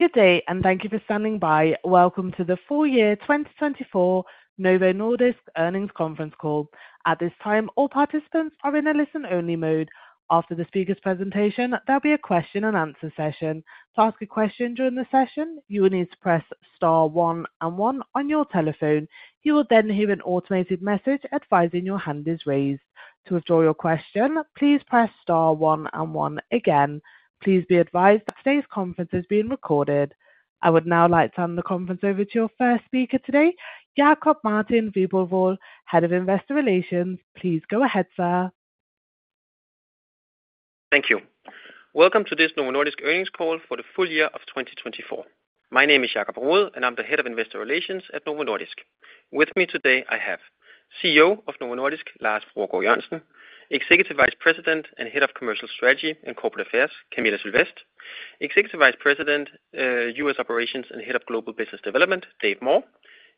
Good day, and thank you for standing by. Welcome to the Full Year 2024 Novo Nordisk Earnings Conference Call. At this time, all participants are in a listen-only mode. After the speaker's presentation, there'll be a question-and-answer session. To ask a question during the session, you will need to press star one and one on your telephone. You will then hear an automated message advising your hand is raised. To withdraw your question, please press star one and one again. Please be advised that today's conference is being recorded. I would now like to hand the conference over to your first speaker today, Jakob Martin Wiborg Rode, Head of Investor Relations. Please go ahead, sir. Thank you. Welcome to this Novo Nordisk earnings call for the full year of 2024. My name is Jakob Rode, and I'm the Head of Investor Relations at Novo Nordisk. With me today, I have CEO of Novo Nordisk, Lars Fruergaard Jørgensen, Executive Vice President and Head of Commercial Strategy and Corporate Affairs, Camilla Sylvest, Executive Vice President, US Operations and Head of Global Business Development, Dave Moore,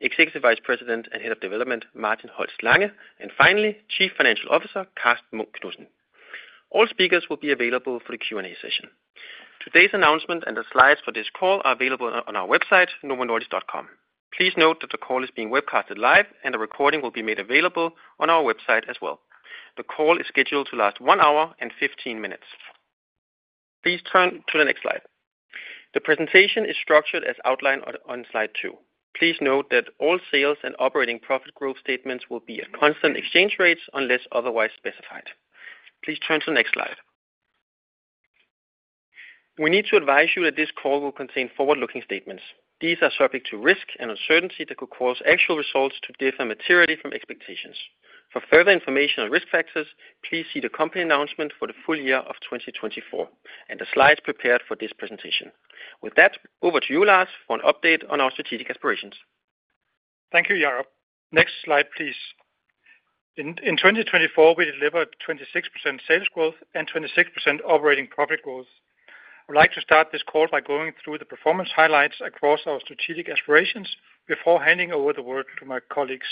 Executive Vice President and Head of Development, Martin Holst Lange, and finally, Chief Financial Officer, Karsten Knudsen. All speakers will be available for the Q&A session. Today's announcement and the slides for this call are available on our website, novonordisk.com. Please note that the call is being webcasted live, and the recording will be made available on our website as well. The call is scheduled to last one hour and 15 minutes. Please turn to the next slide. The presentation is structured as outlined on slide two. Please note that all sales and operating profit growth statements will be at constant exchange rates unless otherwise specified. Please turn to the next slide. We need to advise you that this call will contain forward-looking statements. These are subject to risk and uncertainty that could cause actual results to differ materially from expectations. For further information on risk factors, please see the company announcement for the full year of 2024 and the slides prepared for this presentation. With that, over to you, Lars, for an update on our strategic aspirations. Thank you, Jakob. Next slide, please. In 2024, we delivered 26% sales growth and 26% operating profit growth. I'd like to start this call by going through the performance highlights across our strategic aspirations before handing over the word to my colleagues.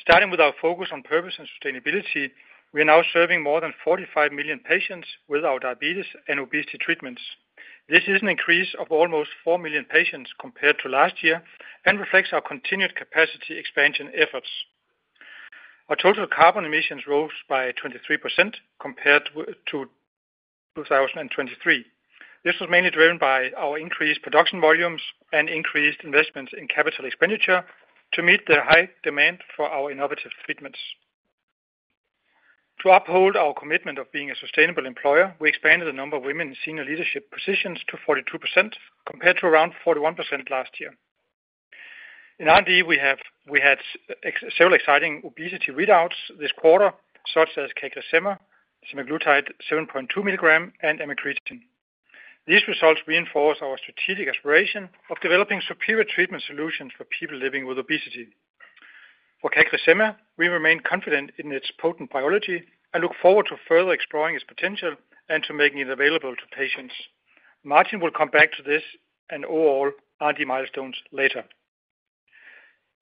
Starting with our focus on purpose and sustainability, we are now serving more than 45 million patients with our diabetes and obesity treatments. This is an increase of almost four million patients compared to last year and reflects our continued capacity expansion efforts. Our total carbon emissions rose by 23% compared to 2023. This was mainly driven by our increased production volumes and increased investments in capital expenditure to meet the high demand for our innovative treatments. To uphold our commitment of being a sustainable employer, we expanded the number of women in senior leadership positions to 42% compared to around 41% last year. In R&D, we had several exciting obesity readouts this quarter, such as CagriSema, semaglutide 7.2 mg, and amycretin. These results reinforce our strategic aspiration of developing superior treatment solutions for people living with obesity. For CagriSema, we remain confident in its potent biology and look forward to further exploring its potential and to making it available to patients. Martin will come back to this and all R&D milestones later.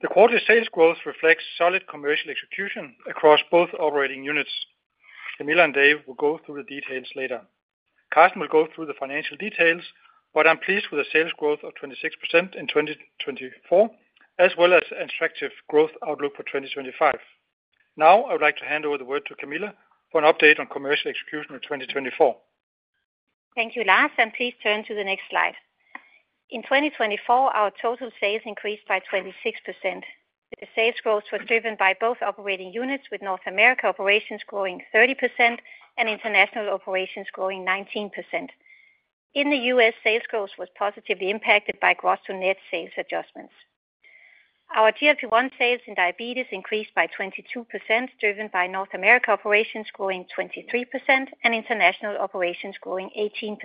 The quarterly sales growth reflects solid commercial execution across both operating units. Camilla and Dave will go through the details later. Karsten will go through the financial details, but I'm pleased with the sales growth of 26% in 2024, as well as an attractive growth outlook for 2025. Now, I would like to hand over the word to Camilla for an update on commercial execution of 2024. Thank you, Lars, and please turn to the next slide. In 2024, our total sales increased by 26%. The sales growth was driven by both operating units, with North America operations growing 30% and international operations growing 19%. In the U.S., sales growth was positively impacted by gross-to-net sales adjustments. Our GLP-1 sales in diabetes increased by 22%, driven by North America operations growing 23% and international operations growing 18%.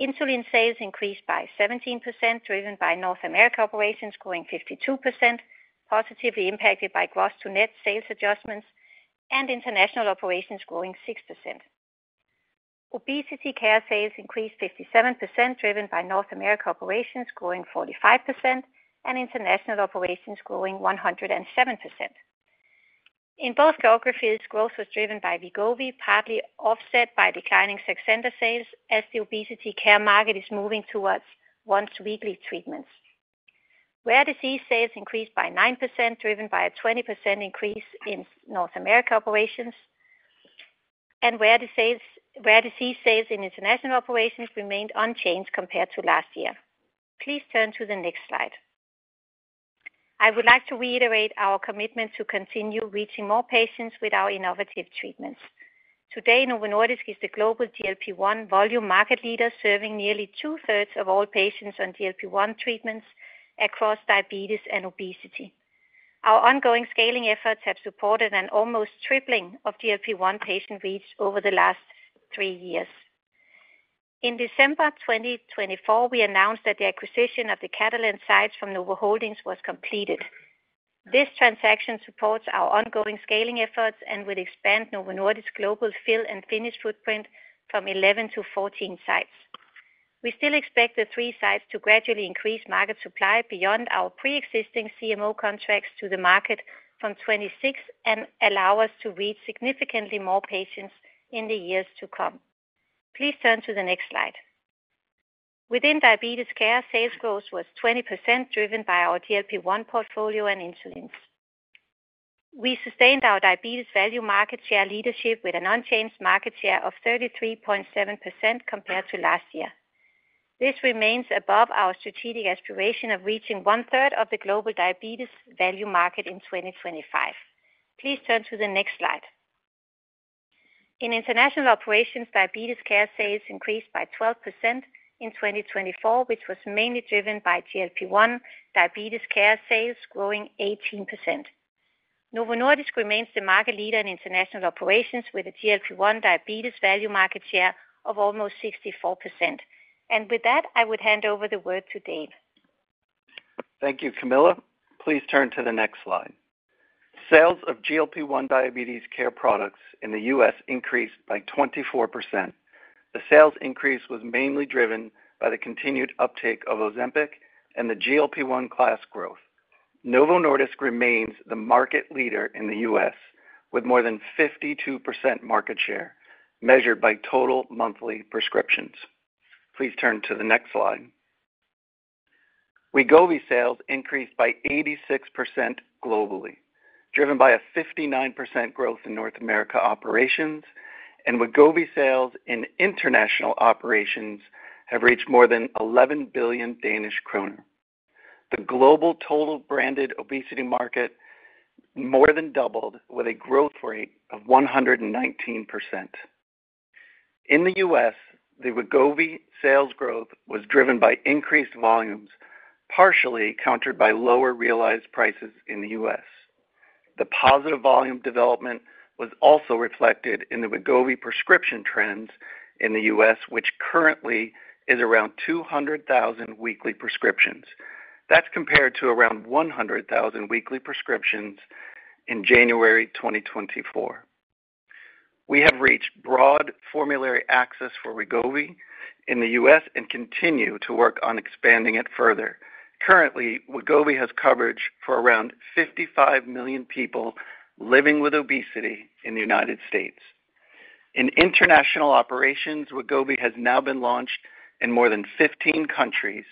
Insulin sales increased by 17%, driven by North America operations growing 52%, positively impacted by gross-to-net sales adjustments and international operations growing 6%. Obesity care sales increased 57%, driven by North America operations growing 45% and international operations growing 107%. In both geographies, growth was driven by Wegovy, partly offset by declining Saxenda sales as the obesity care market is moving towards once-weekly treatments. Rare disease sales increased by 9%, driven by a 20% increase in North America operations, and rare disease sales in international operations remained unchanged compared to last year. Please turn to the next slide. I would like to reiterate our commitment to continue reaching more patients with our innovative treatments. Today, Novo Nordisk is the global GLP-1 volume market leader, serving nearly two-thirds of all patients on GLP-1 treatments across diabetes and obesity. Our ongoing scaling efforts have supported an almost tripling of GLP-1 patient reach over the last three years. In December 2024, we announced that the acquisition of the Catalent sites from Novo Holdings was completed. This transaction supports our ongoing scaling efforts and will expand Novo Nordisk's global fill and finish footprint from 11 to 14 sites. We still expect the three sites to gradually increase market supply beyond our pre-existing CMO contracts to the market from 2026 and allow us to reach significantly more patients in the years to come. Please turn to the next slide. Within diabetes care, sales growth was 20%, driven by our GLP-1 portfolio and insulins. We sustained our diabetes value market share leadership with an unchanged market share of 33.7% compared to last year. This remains above our strategic aspiration of reaching one-third of the global diabetes value market in 2025. Please turn to the next slide. In international operations, diabetes care sales increased by 12% in 2024, which was mainly driven by GLP-1 diabetes care sales growing 18%. Novo Nordisk remains the market leader in international operations with a GLP-1 diabetes value market share of almost 64%. And with that, I would hand over the word to Dave. Thank you, Camilla. Please turn to the next slide. Sales of GLP-1 diabetes care products in the U.S. increased by 24%. The sales increase was mainly driven by the continued uptake of Ozempic and the GLP-1 class growth. Novo Nordisk remains the market leader in the U.S. with more than 52% market share measured by total monthly prescriptions. Please turn to the next slide. Wegovy sales increased by 86% globally, driven by a 59% growth in North America operations, and Wegovy sales in international operations have reached more than 11 billion Danish kroner. The global total branded obesity market more than doubled with a growth rate of 119%. In the U.S., the Wegovy sales growth was driven by increased volumes, partially countered by lower realized prices in the U.S. The positive volume development was also reflected in the Wegovy prescription trends in the U.S., which currently is around 200,000 weekly prescriptions. That's compared to around 100,000 weekly prescriptions in January 2024. We have reached broad formulary access for Wegovy in the U.S. and continue to work on expanding it further. Currently, Wegovy has coverage for around 55 million people living with obesity in the United States. In international operations, Wegovy has now been launched in more than 15 countries,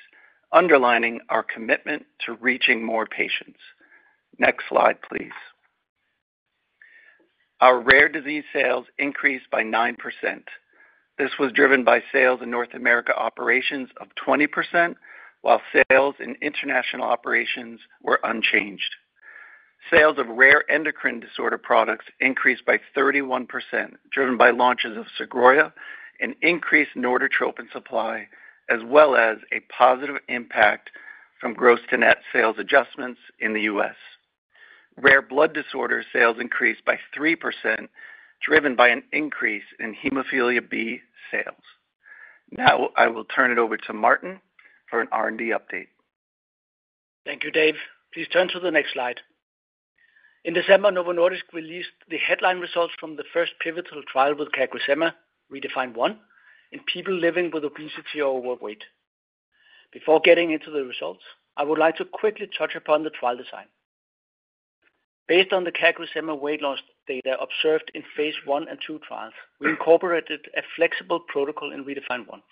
underlining our commitment to reaching more patients. Next slide, please. Our rare disease sales increased by 9%. This was driven by sales in North America operations of 20%, while sales in international operations were unchanged. Sales of rare endocrine disorder products increased by 31%, driven by launches of Sogroya and increased Norditropin supply, as well as a positive impact from gross-to-net sales adjustments in the U.S. Rare blood disorder sales increased by 3%, driven by an increase in hemophilia B sales. Now, I will turn it over to Martin for an R&D update. Thank you, Dave. Please turn to the next slide. In December, Novo Nordisk released the headline results from the first pivotal trial with CagriSema, REDEFINE 1, in people living with obesity or overweight. Before getting into the results, I would like to quickly touch upon the trial design. Based on the CagriSema weight loss data observed in phase one and two trials, we incorporated a flexible protocol in REDEFINE 1.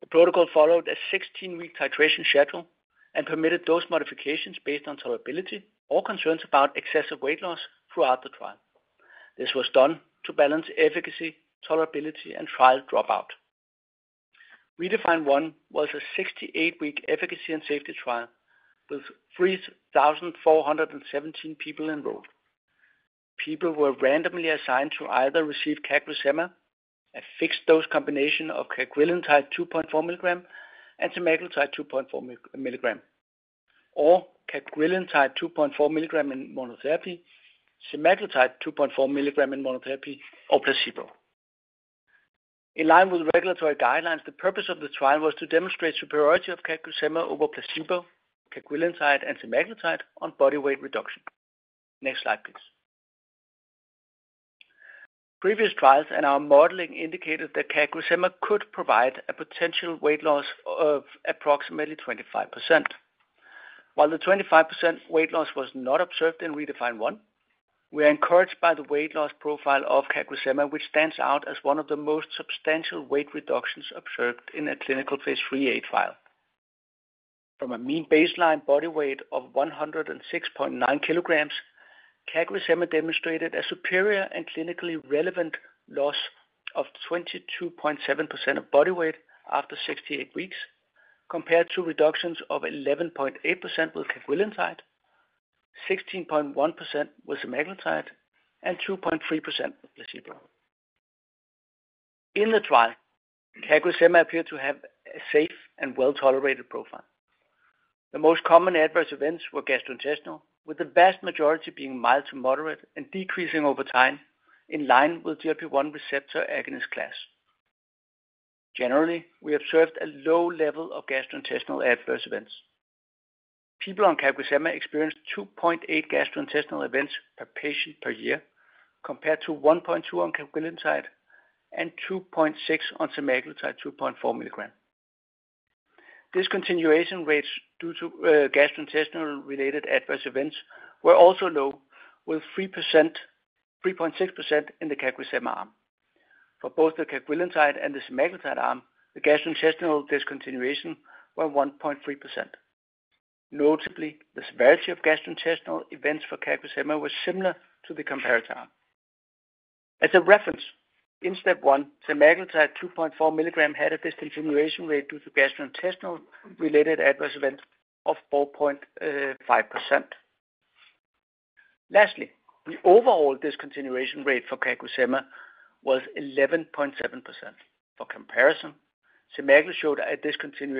The protocol followed a 16-week titration schedule and permitted dose modifications based on tolerability or concerns about excessive weight loss throughout the trial. This was done to balance efficacy, tolerability, and trial dropout. REDEFINE 1 was a 68-week efficacy and safety trial with 3,417 people enrolled. People were randomly assigned to either receive CagriSema, a fixed-dose combination of cagrilintide 2.4 mg and semaglutide 2.4 mg, or cagrilintide 2.4 mg in monotherapy, semaglutide 2.4 mg in monotherapy, or placebo. In line with regulatory guidelines, the purpose of the trial was to demonstrate superiority of CagriSema over placebo, cagrilintide, and semaglutide on body weight reduction. Next slide, please. Previous trials and our modeling indicated that CagriSema could provide a potential weight loss of approximately 25%. While the 25% weight loss was not observed in REDEFINE 1, we are encouraged by the weight loss profile of CagriSema, which stands out as one of the most substantial weight reductions observed in a clinical phase III trial. From a mean baseline body weight of 106.9 kilograms, CagriSema demonstrated a superior and clinically relevant loss of 22.7% of body weight after 68 weeks, compared to reductions of 11.8% with cagrilintide, 16.1% with semaglutide, and 2.3% with placebo. In the trial, CagriSema appeared to have a safe and well-tolerated profile. The most common adverse events were gastrointestinal, with the vast majority being mild to moderate and decreasing over time in line with GLP-1 receptor agonist class. Generally, we observed a low level of gastrointestinal adverse events. People on CagriSema experienced 2.8 gastrointestinal events per patient per year, compared to 1.2 on cagrilintide and 2.6 on semaglutide 2.4 mg. Discontinuation rates due to gastrointestinal-related adverse events were also low, with 3.6% in the CagriSema arm. For both the cagrilintide and the semaglutide arm, the gastrointestinal discontinuation was 1.3%. Notably, the severity of gastrointestinal events for CagriSema was similar to the comparator arm. As a reference, in STEP 1, semaglutide 2.4 mg had a discontinuation rate due to gastrointestinal-related adverse events of 4.5%. Lastly, the overall discontinuation rate for CagriSema was 11.7%. For comparison, semaglutide showed a discontinuation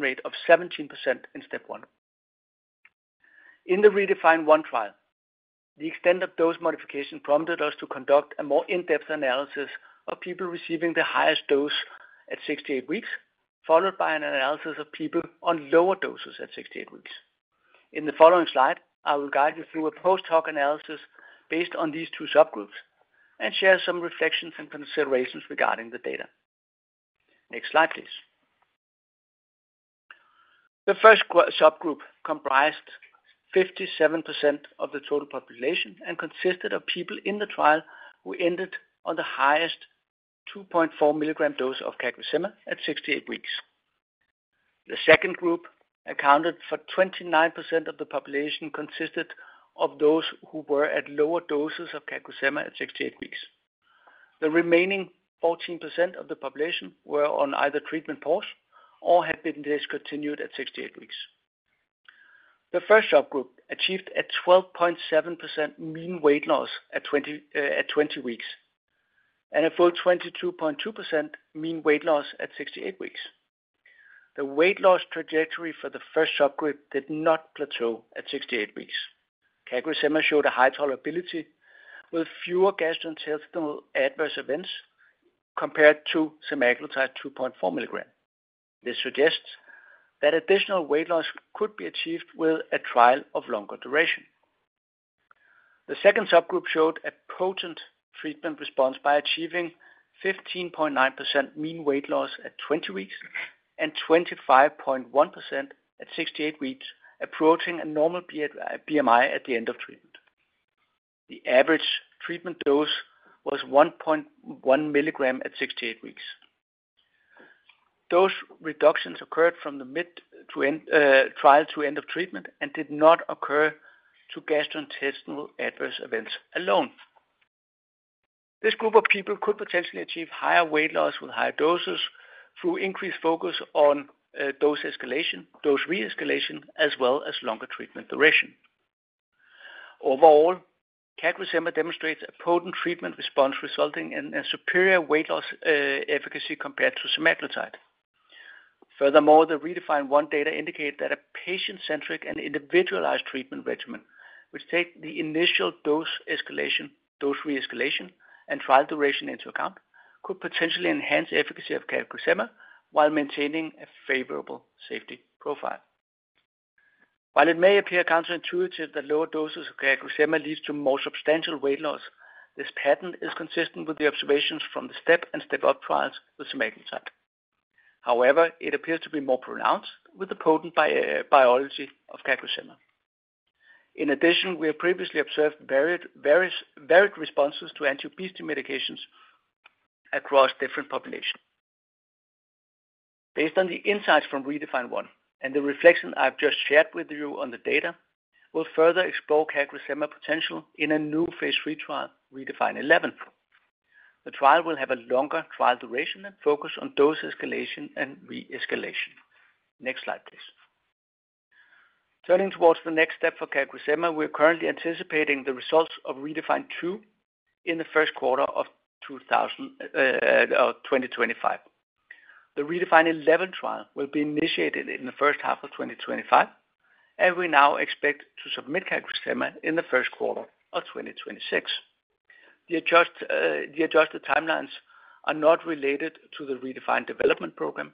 rate of 17% in STEP 1. In the REDEFINE 1 trial, the extent of dose modification prompted us to conduct a more in-depth analysis of people receiving the highest dose at 68 weeks, followed by an analysis of people on lower doses at 68 weeks. In the following slide, I will guide you through a post-hoc analysis based on these two subgroups and share some reflections and considerations regarding the data. Next slide, please. The first subgroup comprised 57% of the total population and consisted of people in the trial who ended on the highest 2.4 mg dose of CagriSema at 68 weeks. The second group accounted for 29% of the population, consisted of those who were at lower doses of CagriSema at 68 weeks. The remaining 14% of the population were on either treatment pause or had been discontinued at 68 weeks. The first subgroup achieved a 12.7% mean weight loss at 20 weeks and a full 22.2% mean weight loss at 68 weeks. The weight loss trajectory for the first subgroup did not plateau at 68 weeks. CagriSema showed a high tolerability with fewer gastrointestinal adverse events compared to semaglutide 2.4 mg. This suggests that additional weight loss could be achieved with a trial of longer duration. The second subgroup showed a potent treatment response by achieving 15.9% mean weight loss at 20 weeks and 25.1% at 68 weeks, approaching a normal BMI at the end of treatment. The average treatment dose was 1.1 mg at 68 weeks. Those reductions occurred from the mid trial to end of treatment and did not occur to gastrointestinal adverse events alone. This group of people could potentially achieve higher weight loss with higher doses through increased focus on dose re-escalation as well as longer treatment duration. Overall, CagriSema demonstrates a potent treatment response resulting in a superior weight loss efficacy compared to semaglutide. Furthermore, the REDEFINE 1 data indicate that a patient-centric and individualized treatment regimen, which takes the initial dose re-escalation and trial duration into account, could potentially enhance the efficacy of CagriSema while maintaining a favorable safety profile. While it may appear counterintuitive that lower doses of CagriSema lead to more substantial weight loss, this pattern is consistent with the observations from the STEP and STEP-UP trials with semaglutide. However, it appears to be more pronounced with the potent biology of CagriSema. In addition, we have previously observed varied responses to anti-obesity medications across different populations. Based on the insights from REDEFINE 1 and the reflection I've just shared with you on the data, we'll further explore CagriSema potential in a new phase III trial, REDEFINE 11. The trial will have a longer trial duration and focus on dose escalation and re-escalation. Next slide, please. Turning towards the next step for CagriSema, we're currently anticipating the results of REDEFINE 2 in the first quarter of 2025. The REDEFINE 11 trial will be initiated in the first half of 2025, and we now expect to submit CagriSema in the first quarter of 2026. The adjusted timelines are not related to the REDEFINE development program,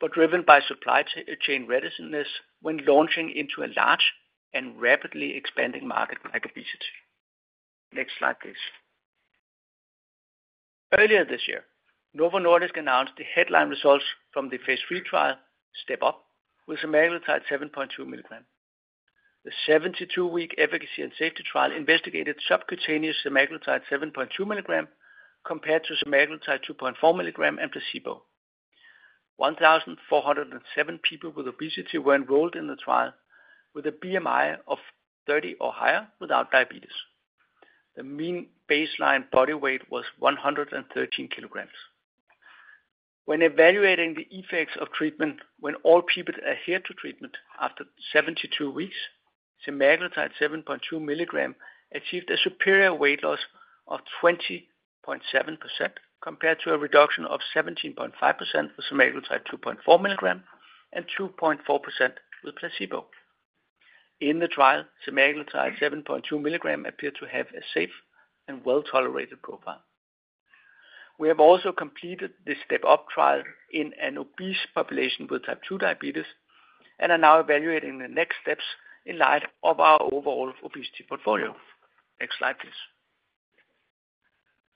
but driven by supply chain readiness when launching into a large and rapidly expanding market like obesity. Next slide, please. Earlier this year, Novo Nordisk announced the headline results from the phase III trial, STEP-UP, with semaglutide 7.2 mg. The 72-week efficacy and safety trial investigated subcutaneous semaglutide 7.2 mg compared to semaglutide 2.4 mg and placebo. 1,407 people with obesity were enrolled in the trial with a BMI of 30 or higher without diabetes. The mean baseline body weight was 113 kilograms. When evaluating the effects of treatment, when all people adhered to treatment after 72 weeks, semaglutide 7.2 mg achieved a superior weight loss of 20.7% compared to a reduction of 17.5% with semaglutide 2.4 mg and 2.4% with placebo. In the trial, semaglutide 7.2 mg appeared to have a safe and well-tolerated profile. We have also completed the STEP-UP trial in an obese population with type 2 diabetes and are now evaluating the next steps in light of our overall obesity portfolio. Next slide, please.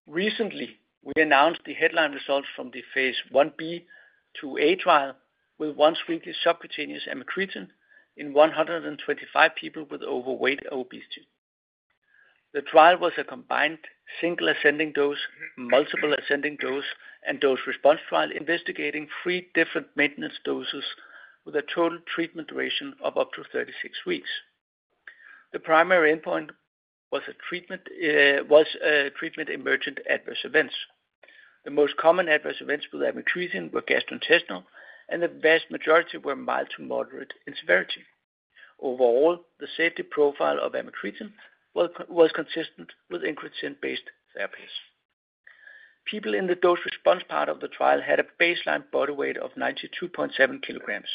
Recently, we announced the headline results from the phase Ib/2a trial with once-weekly subcutaneous amycretin in 125 people with overweight or obesity. The trial was a combined single ascending dose, multiple ascending dose, and dose-response trial investigating three different maintenance doses with a total treatment duration of up to 36 weeks. The primary endpoint was treatment-emergent adverse events. The most common adverse events with amycretin were gastrointestinal, and the vast majority were mild to moderate in severity. Overall, the safety profile of amycretin was consistent with GLP-1-based therapies. People in the dose-response part of the trial had a baseline body weight of 92.7 kilograms.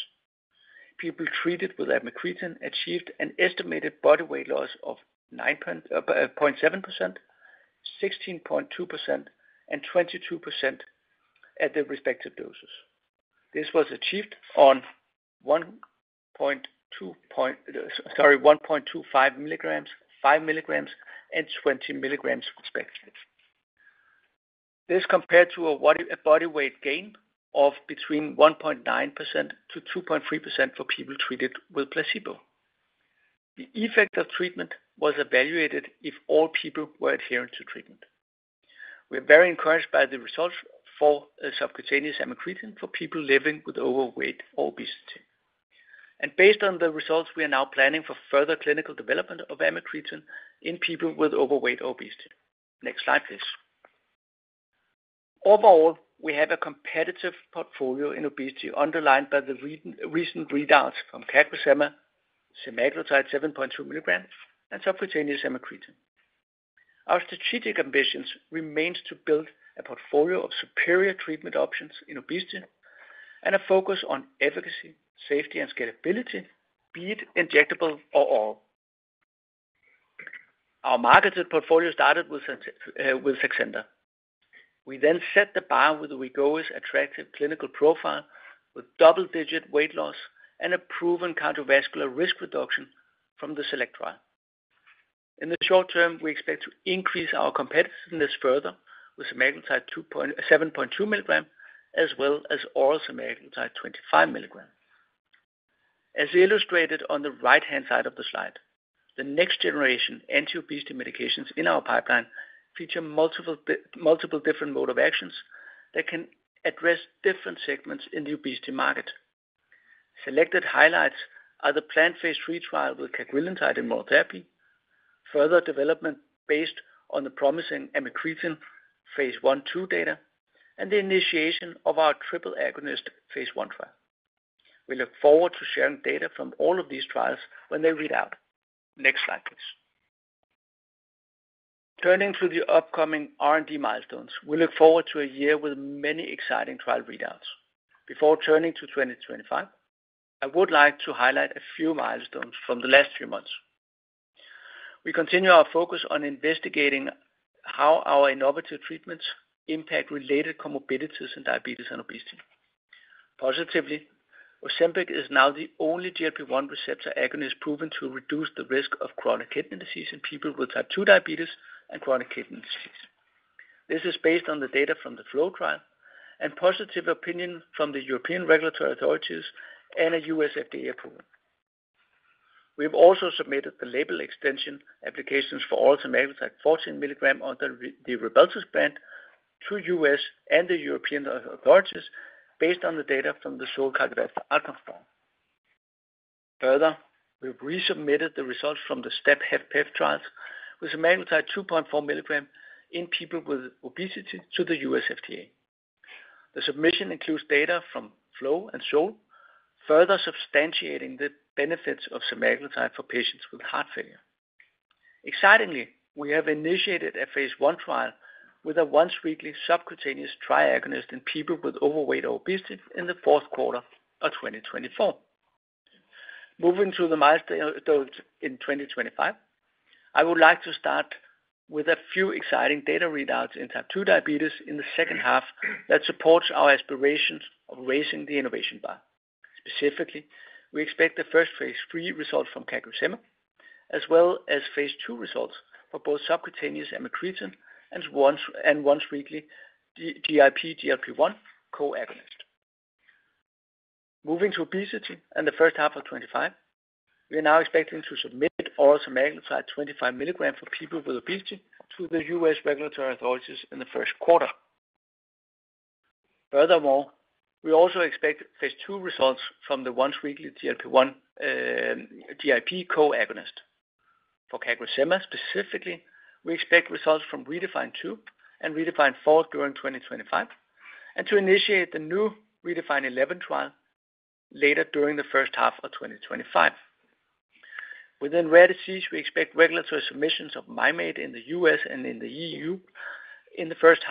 People treated with amycretin achieved an estimated body weight loss of 9.7%, 16.2%, and 22% at their respective doses. This was achieved on 1.25 mg, 5 mg, and 20 mg respectively. This compared to a body weight gain of between 1.9% to 2.3% for people treated with placebo. The effect of treatment was evaluated if all people were adherent to treatment. We are very encouraged by the results for subcutaneous amycretin for people living with overweight obesity. Based on the results, we are now planning for further clinical development of amycretin in people with overweight obesity. Next slide, please. Overall, we have a competitive portfolio in obesity underlined by the recent readouts from CagriSema, semaglutide 7.2 mg, and subcutaneous amycretin. Our strategic ambitions remain to build a portfolio of superior treatment options in obesity and a focus on efficacy, safety, and scalability, be it injectable or oral. Our marketed portfolio started with Saxenda. We then set the bar with Wegovy's attractive clinical profile with double-digit weight loss and a proven cardiovascular risk reduction from the SELECT trial. In the short term, we expect to increase our competitiveness further with semaglutide 7.2 mg as well as oral semaglutide 25 mg. As illustrated on the right-hand side of the slide, the next generation anti-obesity medications in our pipeline feature multiple different modes of action that can address different segments in the obesity market. Selected highlights are the planned phase III trial with cagrilintide in oral therapy, further development based on the promising amycretin phase I/2 data, and the initiation of our triple agonist phase I trial. We look forward to sharing data from all of these trials when they read out. Next slide, please. Turning to the upcoming R&D milestones, we look forward to a year with many exciting trial readouts. Before turning to 2025, I would like to highlight a few milestones from the last few months. We continue our focus on investigating how our innovative treatments impact related comorbidities in diabetes and obesity. Positively, Ozempic is now the only GLP-1 receptor agonist proven to reduce the risk of chronic kidney disease in people with type 2 diabetes and chronic kidney disease. This is based on the data from the FLOW trial and positive opinion from the European regulatory authorities and a U.S. FDA approval. We have also submitted the label extension applications for oral semaglutide 14 mg under the Rybelsus brand to U.S. and the European authorities based on the data from the SOUL cardiovascular outcomes trial. Further, we have resubmitted the results from the STEP-HFpEF trials with semaglutide 2.4 mg in people with obesity to the U.S. FDA. The submission includes data from FLOW and SOUL, further substantiating the benefits of semaglutide for patients with heart failure. Excitingly, we have initiated a phase I trial with a once-weekly subcutaneous tri-agonist in people with overweight obesity in the fourth quarter of 2024. Moving to the milestones in 2025, I would like to start with a few exciting data readouts in type 2 diabetes in the second half that supports our aspirations of raising the innovation bar. Specifically, we expect the first phase III results from CagriSema as well as phase II results for both subcutaneous amycretin and once-weekly GIP-GLP-1 co-agonist. Moving to obesity and the first half of 2025, we are now expecting to submit oral semaglutide 25 mg for people with obesity to the U.S. regulatory authorities in the first quarter. Furthermore, we also expect phase II results from the once-weekly GIP co-agonist. For CagriSema specifically, we expect results from REDEFINE 2 and REDEFINE 4 during 2025 and to initiate the new REDEFINE 11 trial later during the first half of 2025. Within rare disease, we expect regulatory submissions of Mim8 in the US and in the EU in the second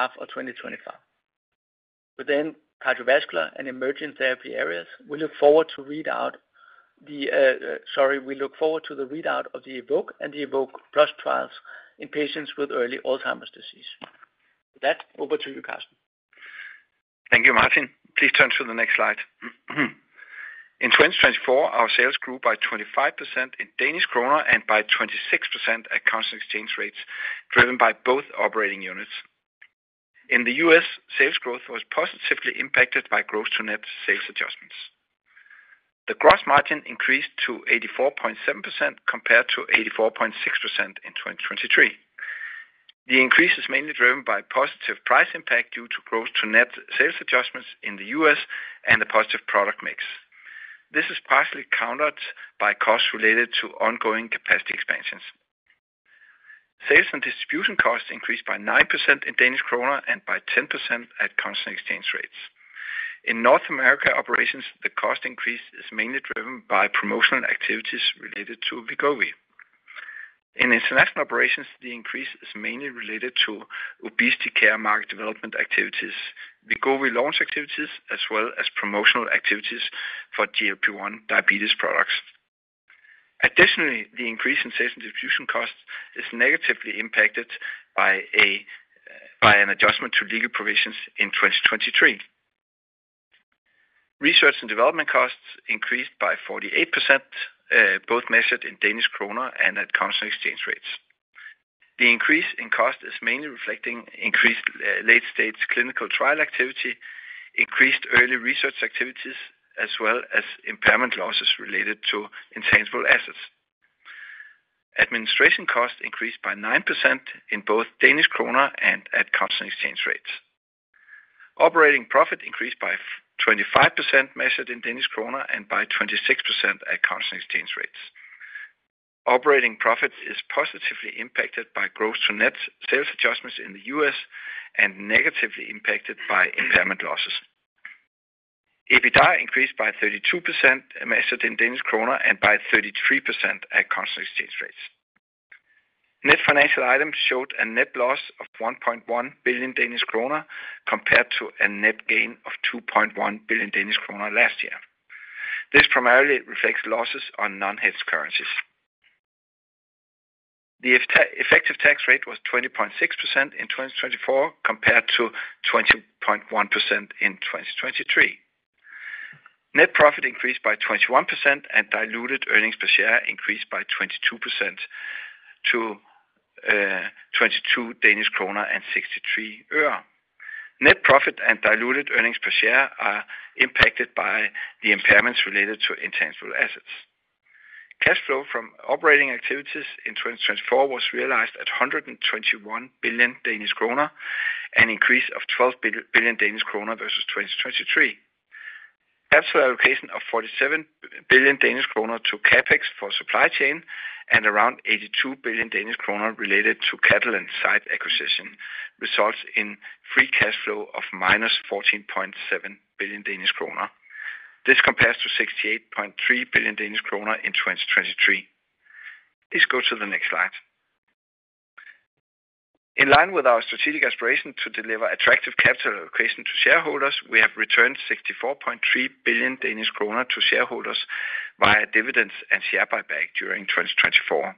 half of 2025. Within cardiovascular and emerging therapy areas, we look forward to the readout of the EVOKE and the EVOKE+ trials in patients with early Alzheimer's disease. With that, over to you, Karsten. Thank you, Martin. Please turn to the next slide. In 2024, our sales grew by 25% in Danish kroner and by 26% at constant exchange rates, driven by both operating units. In the US, sales growth was positively impacted by gross-to-net sales adjustments. The gross margin increased to 84.7% compared to 84.6% in 2023. The increase is mainly driven by positive price impact due to gross-to-net sales adjustments in the U.S. and the positive product mix. This is partially countered by costs related to ongoing capacity expansions. Sales and distribution costs increased by 9% in Danish kroner and by 10% at constant exchange rates. In North America operations, the cost increase is mainly driven by promotional activities related to Rybelsus. In international operations, the increase is mainly related to obesity care market development activities, Rybelsus launch activities, as well as promotional activities for GLP-1 diabetes products. Additionally, the increase in sales and distribution costs is negatively impacted by an adjustment to legal provisions in 2023. Research and development costs increased by 48%, both measured in Danish kroner and at constant exchange rates. The increase in cost is mainly reflecting increased late-stage clinical trial activity, increased early research activities, as well as impairment losses related to intangible assets. Administration costs increased by 9% in both DKK and at constant exchange rates. Operating profit increased by 25% measured in DKK and by 26% at constant exchange rates. Operating profit is positively impacted by gross-to-net sales adjustments in the U.S. and negatively impacted by impairment losses. EBITDA increased by 32% measured in DKK and by 33% at constant exchange rates. Net financial items showed a net loss of 1.1 billion Danish kroner compared to a net gain of 2.1 billion Danish kroner last year. This primarily reflects losses on non-hedged currencies. The effective tax rate was 20.6% in 2024 compared to 20.1% in 2023. Net profit increased by 21% and diluted earnings per share increased by 22% to DKK 22.63 and 3.63. Net profit and diluted earnings per share are impacted by the impairments related to intangible assets. Cash flow from operating activities in 2024 was realized at 121 billion Danish kroner, an increase of 12 billion Danish kroner versus 2023. Absolute allocation of 47 billion Danish kroner to CapEx for supply chain and around 82 billion Danish kroner related to Catalent site acquisition results in free cash flow of -14.7 billion Danish kroner. This compares to 68.3 billion Danish kroner in 2023. Please go to the next slide. In line with our strategic aspiration to deliver attractive capital allocation to shareholders, we have returned 64.3 billion Danish kroner to shareholders via dividends and share buyback during 2024.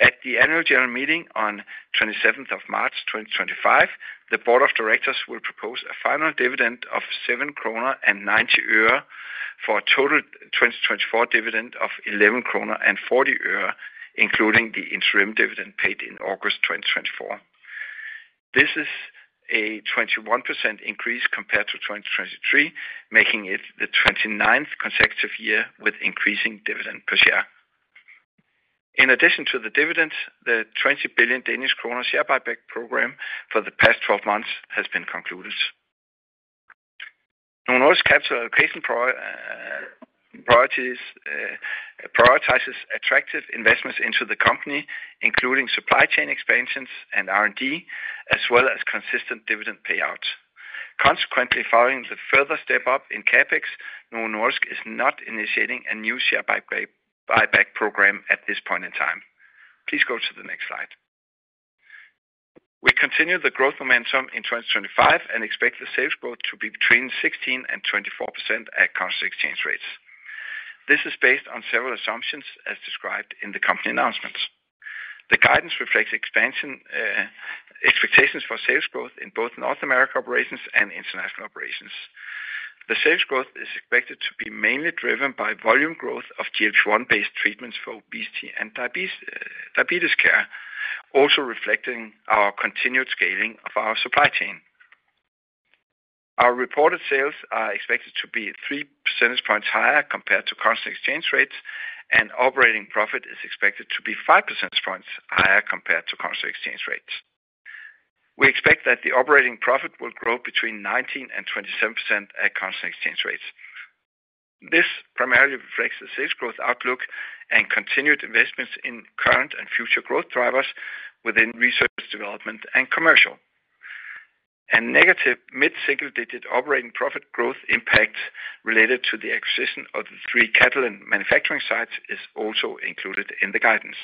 At the annual general meeting on 27 March 2025, the board of directors will propose a final dividend of DKK 7.90 for a total 2024 dividend of DKK 11.40, including the interim dividend paid in August 2024. This is a 21% increase compared to 2023, making it the 29th consecutive year with increasing dividend per share. In addition to the dividends, the 20 billion Danish kroner share buyback program for the past 12 months has been concluded. Novo Nordisk Capital Allocation prioritizes attractive investments into the company, including supply chain expansions and R&D, as well as consistent dividend payouts. Consequently, following the further step-up in CapEx, Novo Nordisk is not initiating a new share buyback program at this point in time. Please go to the next slide. We continue the growth momentum in 2025 and expect the sales growth to be between 16% and 24% at constant exchange rates. This is based on several assumptions as described in the company announcements. The guidance reflects expectations for sales growth in both North America operations and international operations. The sales growth is expected to be mainly driven by volume growth of GLP-1-based treatments for obesity and diabetes care, also reflecting our continued scaling of our supply chain. Our reported sales are expected to be 3 percentage points higher compared to constant exchange rates, and operating profit is expected to be 5 percentage points higher compared to constant exchange rates. We expect that the operating profit will grow between 19% and 27% at constant exchange rates. This primarily reflects the sales growth outlook and continued investments in current and future growth drivers within research, development, and commercial. A negative mid-single-digit operating profit growth impact related to the acquisition of the three Catalent manufacturing sites is also included in the guidance.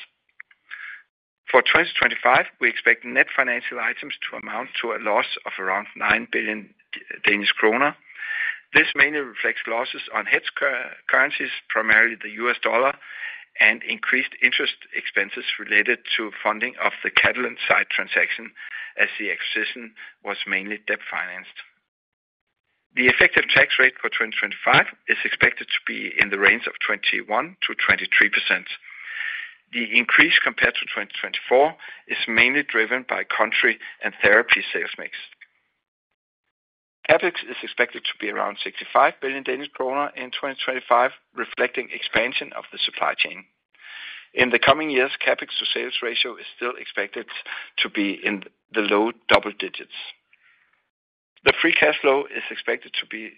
For 2025, we expect net financial items to amount to a loss of around 9 billion Danish kroner. This mainly reflects losses on hedged currencies, primarily the US dollar, and increased interest expenses related to funding of the Catalent site transaction as the acquisition was mainly debt-financed. The effective tax rate for 2025 is expected to be in the range of 21%-23%. The increase compared to 2024 is mainly driven by country and therapy sales mix. CapEx is expected to be around 65 billion Danish kroner in 2025, reflecting expansion of the supply chain. In the coming years, CapEx to sales ratio is still expected to be in the low double digits. The free cash flow is expected to be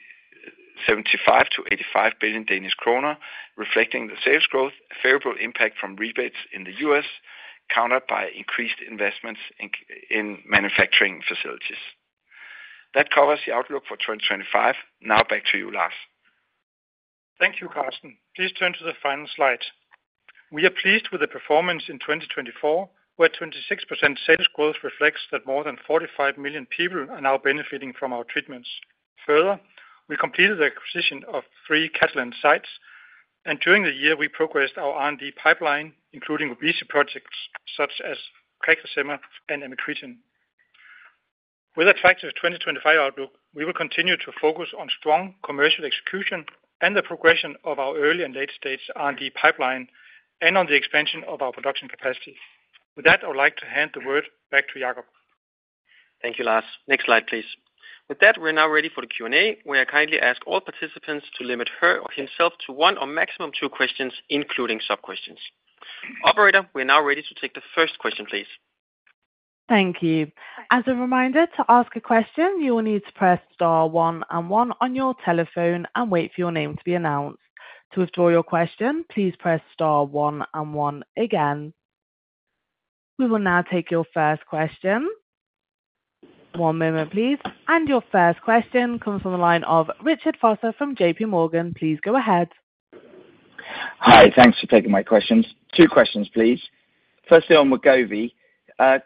75-85 billion Danish kroner, reflecting the sales growth, a favorable impact from rebates in the US, countered by increased investments in manufacturing facilities. That covers the outlook for 2025. Now back to you, Lars. Thank you, Karsten. Please turn to the final slide. We are pleased with the performance in 2024, where 26% sales growth reflects that more than 45 million people are now benefiting from our treatments. Further, we completed the acquisition of three Catalent sites, and during the year, we progressed our R&D pipeline, including obesity projects such as CagriSema and amycretin. With attractive 2025 outlook, we will continue to focus on strong commercial execution and the progression of our early and late-stage R&D pipeline and on the expansion of our production capacity. With that, I would like to hand the word back to Jakob. Thank you, Lars. Next slide, please. With that, we're now ready for the Q&A. We are kindly asked all participants to limit her or himself to one or maximum two questions, including sub-questions. Operator, we are now ready to take the first question, please. Thank you. As a reminder, to ask a question, you will need to press star one and one on your telephone and wait for your name to be announced. To withdraw your question, please press star one and one again. We will now take your first question. One moment, please. And your first question comes from the line of Richard Vosser from J.P. Morgan. Please go ahead. Hi, thanks for taking my questions. Two questions, please. Firstly, on Rybelsus,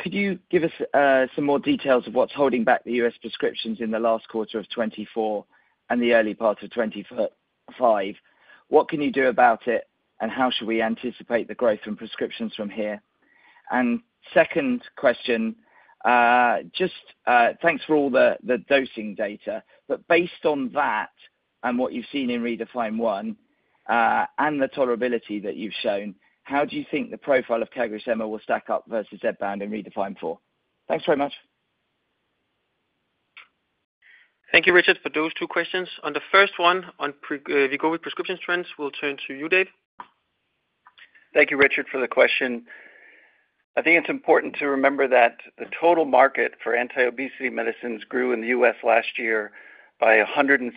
could you give us some more details of what's holding back the U.S. prescriptions in the last quarter of 2024 and the early part of 2025? What can you do about it, and how should we anticipate the growth in prescriptions from here? And second question, just thanks for all the dosing data, but based on that and what you've seen in REDEFINE 1 and the tolerability that you've shown, how do you think the profile of CagriSema will stack up versus Zepbound in REDEFINE 4? Thanks very much. Thank you, Richard, for those two questions. On the first one, on Wegovy prescription trends, we'll turn to you, Dave. Thank you, Richard, for the question. I think it's important to remember that the total market for anti-obesity medicines grew in the U.S. last year by 160%.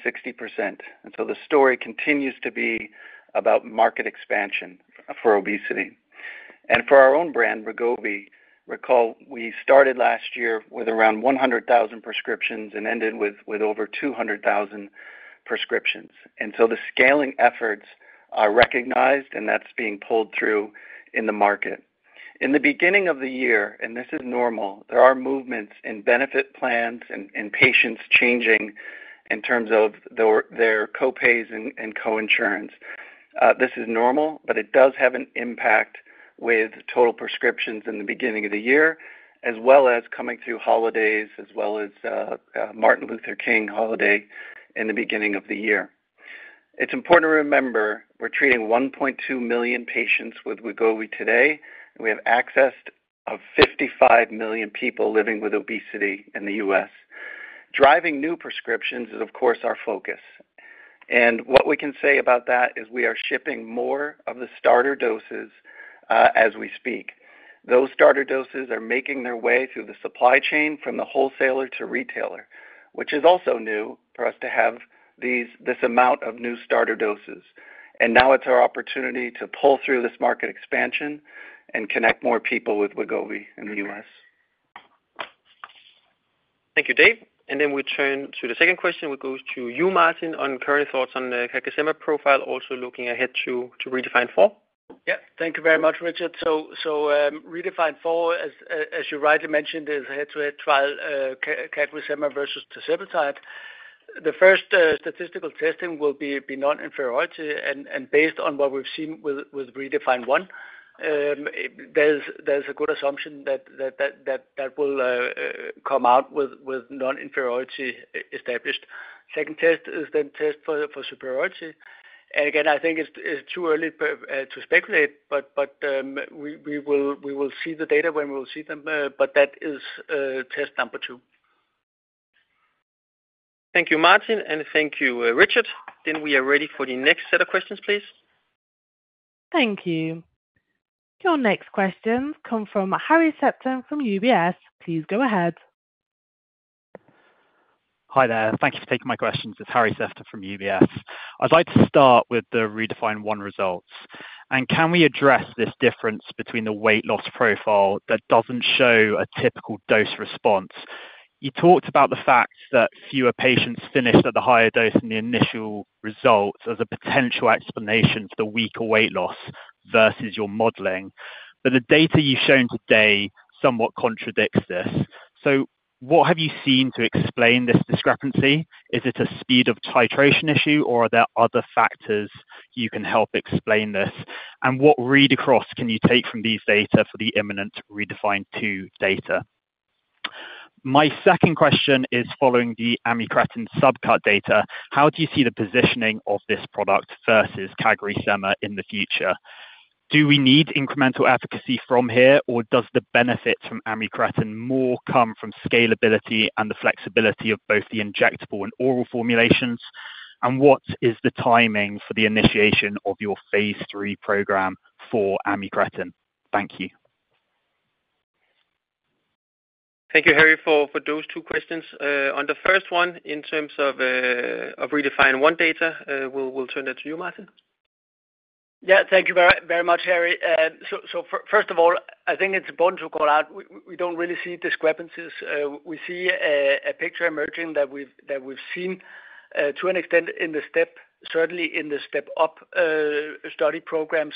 And so the story continues to be about market expansion for obesity. And for our own brand, Wegovy, recall we started last year with around 100,000 prescriptions and ended with over 200,000 prescriptions. The scaling efforts are recognized, and that's being pulled through in the market. In the beginning of the year, and this is normal, there are movements in benefit plans and patients changing in terms of their co-pays and co-insurance. This is normal, but it does have an impact with total prescriptions in the beginning of the year, as well as coming through holidays, as well as Martin Luther King holiday in the beginning of the year. It's important to remember we're treating 1.2 million patients with Wegovy today, and we have access to 55 million people living with obesity in the U.S. Driving new prescriptions is, of course, our focus. And what we can say about that is we are shipping more of the starter doses as we speak. Those starter doses are making their way through the supply chain from the wholesaler to retailer, which is also new for us to have this amount of new starter doses. And now it's our opportunity to pull through this market expansion and connect more people with Wegovy in the U.S. Thank you, Dave. And then we turn to the second question, which goes to you, Martin, on current thoughts on the CagriSema profile, also looking ahead to REDEFINE 4. Yep, thank you very much, Richard. So REDEFINE 4, as you rightly mentioned, is a head-to-head trial, CagriSema versus tirzepatide. The first statistical testing will be non-inferiority, and based on what we've seen with REDEFINE 1, there's a good assumption that that will come out with non-inferiority established. Second test is then test for superiority. And again, I think it's too early to speculate, but we will see the data when we will see them, but that is test number two. Thank you, Martin, and thank you, Richard. Then we are ready for the next set of questions, please. Thank you. Your next questions come from Harry Sephton from UBS. Please go ahead. Hi there. Thank you for taking my questions. It's Harry Sephton from UBS. I'd like to start with the REDEFINE 1 results. And can we address this difference between the weight loss profile that doesn't show a typical dose response? You talked about the fact that fewer patients finished at the higher dose in the initial results as a potential explanation for the weaker weight loss versus your modeling. But the data you've shown today somewhat contradicts this. So what have you seen to explain this discrepancy? Is it a speed of titration issue, or are there other factors you can help explain this? And what read across can you take from these data for the imminent REDEFINE 2 data? My second question is following the amycretin subcutaneous data. How do you see the positioning of this product versus CagriSema in the future? Do we need incremental efficacy from here, or does the benefit from amycretin more come from scalability and the flexibility of both the injectable and oral formulations? And what is the timing for the initiation of your phase three program for amycretin? Thank you. Thank you, Harry, for those two questions. On the first one, in terms of REDEFINE 1 data, we'll turn it to you, Martin. Yeah, thank you very much, Harry. So first of all, I think it's important to call out we don't really see discrepancies. We see a picture emerging that we've seen to an extent in the STEP, certainly in the STEP-UP study programs,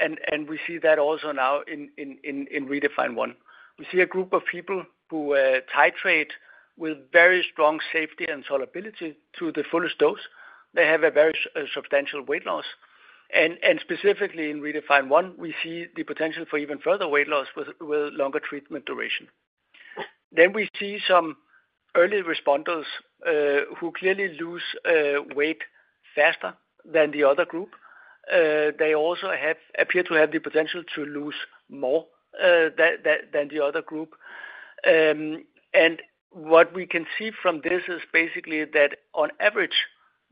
and we see that also now in REDEFINE 1. We see a group of people who titrate with very strong safety and tolerability to the fullest dose. They have a very substantial weight loss, and specifically in REDEFINE 1, we see the potential for even further weight loss with longer treatment duration, then we see some early responders who clearly lose weight faster than the other group. They also appear to have the potential to lose more than the other group, and what we can see from this is basically that on average,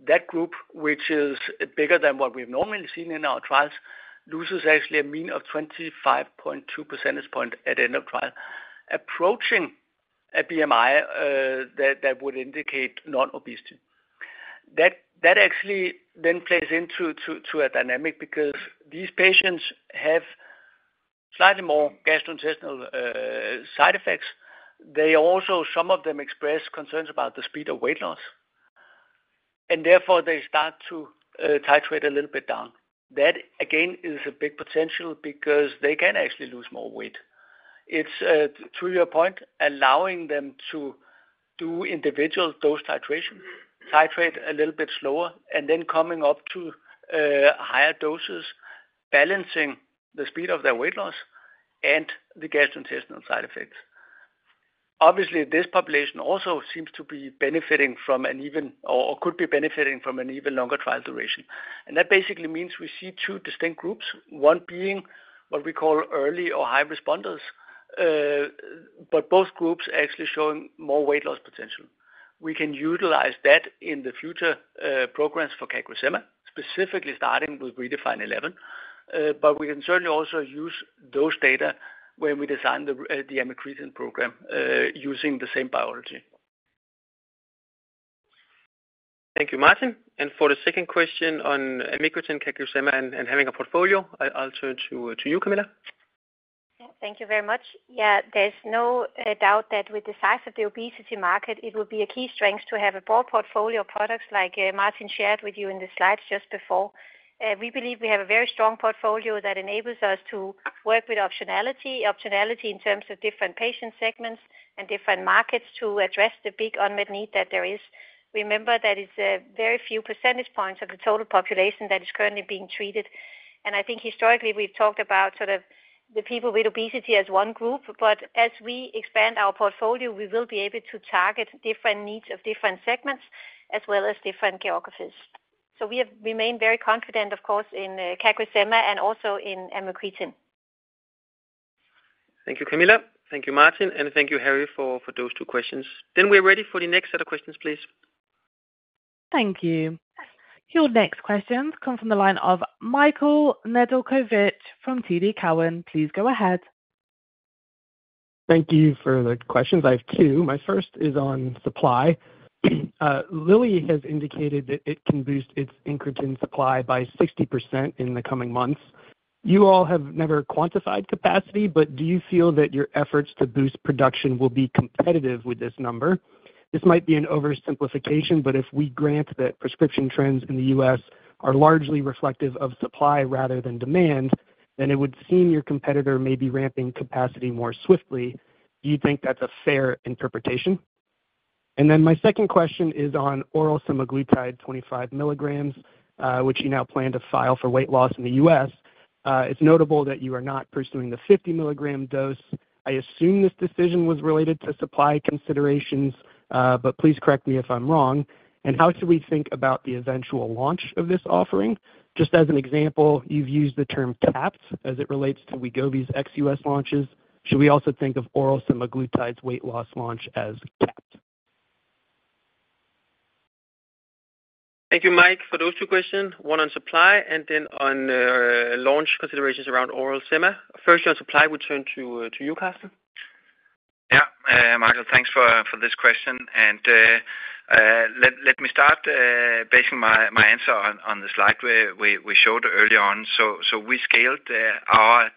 that group, which is bigger than what we've normally seen in our trials, loses actually a mean of 25.2 percentage points at end of trial, approaching a BMI that would indicate non-obesity. That actually then plays into a dynamic because these patients have slightly more gastrointestinal side effects. They also, some of them express concerns about the speed of weight loss, and therefore, they start to titrate a little bit down. That, again, is a big potential because they can actually lose more weight. It's, to your point, allowing them to do individual dose titration, titrate a little bit slower, and then coming up to higher doses, balancing the speed of their weight loss and the gastrointestinal side effects. Obviously, this population also seems to be benefiting from an even or could be benefiting from an even longer trial duration, and that basically means we see two distinct groups, one being what we call early or high responders, but both groups actually showing more weight loss potential. We can utilize that in the future programs for CagriSema, specifically starting with REDEFINE 11. But we can certainly also use those data when we design the amycretin program using the same biology. Thank you, Martin. And for the second question on amycretin, CagriSema, and having a portfolio, I'll turn to you, Camilla. Thank you very much. Yeah, there's no doubt that with the size of the obesity market, it will be a key strength to have a broad portfolio of products like Martin shared with you in the slides just before. We believe we have a very strong portfolio that enables us to work with optionality, optionality in terms of different patient segments and different markets to address the big unmet need that there is. Remember that it's very few percentage points of the total population that is currently being treated. And I think historically, we've talked about sort of the people with obesity as one group, but as we expand our portfolio, we will be able to target different needs of different segments as well as different geographies. So we have remained very confident, of course, in CagriSema and also in amycretin. Thank you, Camilla. Thank you, Martin, and thank you, Harry, for those two questions. Then we're ready for the next set of questions, please. Thank you. Your next questions come from the line of Michael Nedelcovic from TD Cowen. Please go ahead. Thank you for the questions. I have two. My first is on supply. Lilly has indicated that it can boost its incretin supply by 60% in the coming months. You all have never quantified capacity, but do you feel that your efforts to boost production will be competitive with this number? This might be an oversimplification, but if we grant that prescription trends in the U.S. are largely reflective of supply rather than demand, then it would seem your competitor may be ramping capacity more swiftly. Do you think that's a fair interpretation? And then my second question is on oral semaglutide 25 mg, which you now plan to file for weight loss in the U.S. It's notable that you are not pursuing the 50 mg dose. I assume this decision was related to supply considerations, but please correct me if I'm wrong. And how should we think about the eventual launch of this offering? Just as an example, you've used the term capped as it relates to Rybelsus's ex-U.S. launches. Should we also think of oral semaglutide's weight loss launch as capped? Thank you, Mike, for those two questions, one on supply and then on launch considerations around oral sema. First, on supply, we turn to you, Karsten. Yeah, Michael, thanks for this question. Let me start basing my answer on the slide we showed earlier on. We scaled our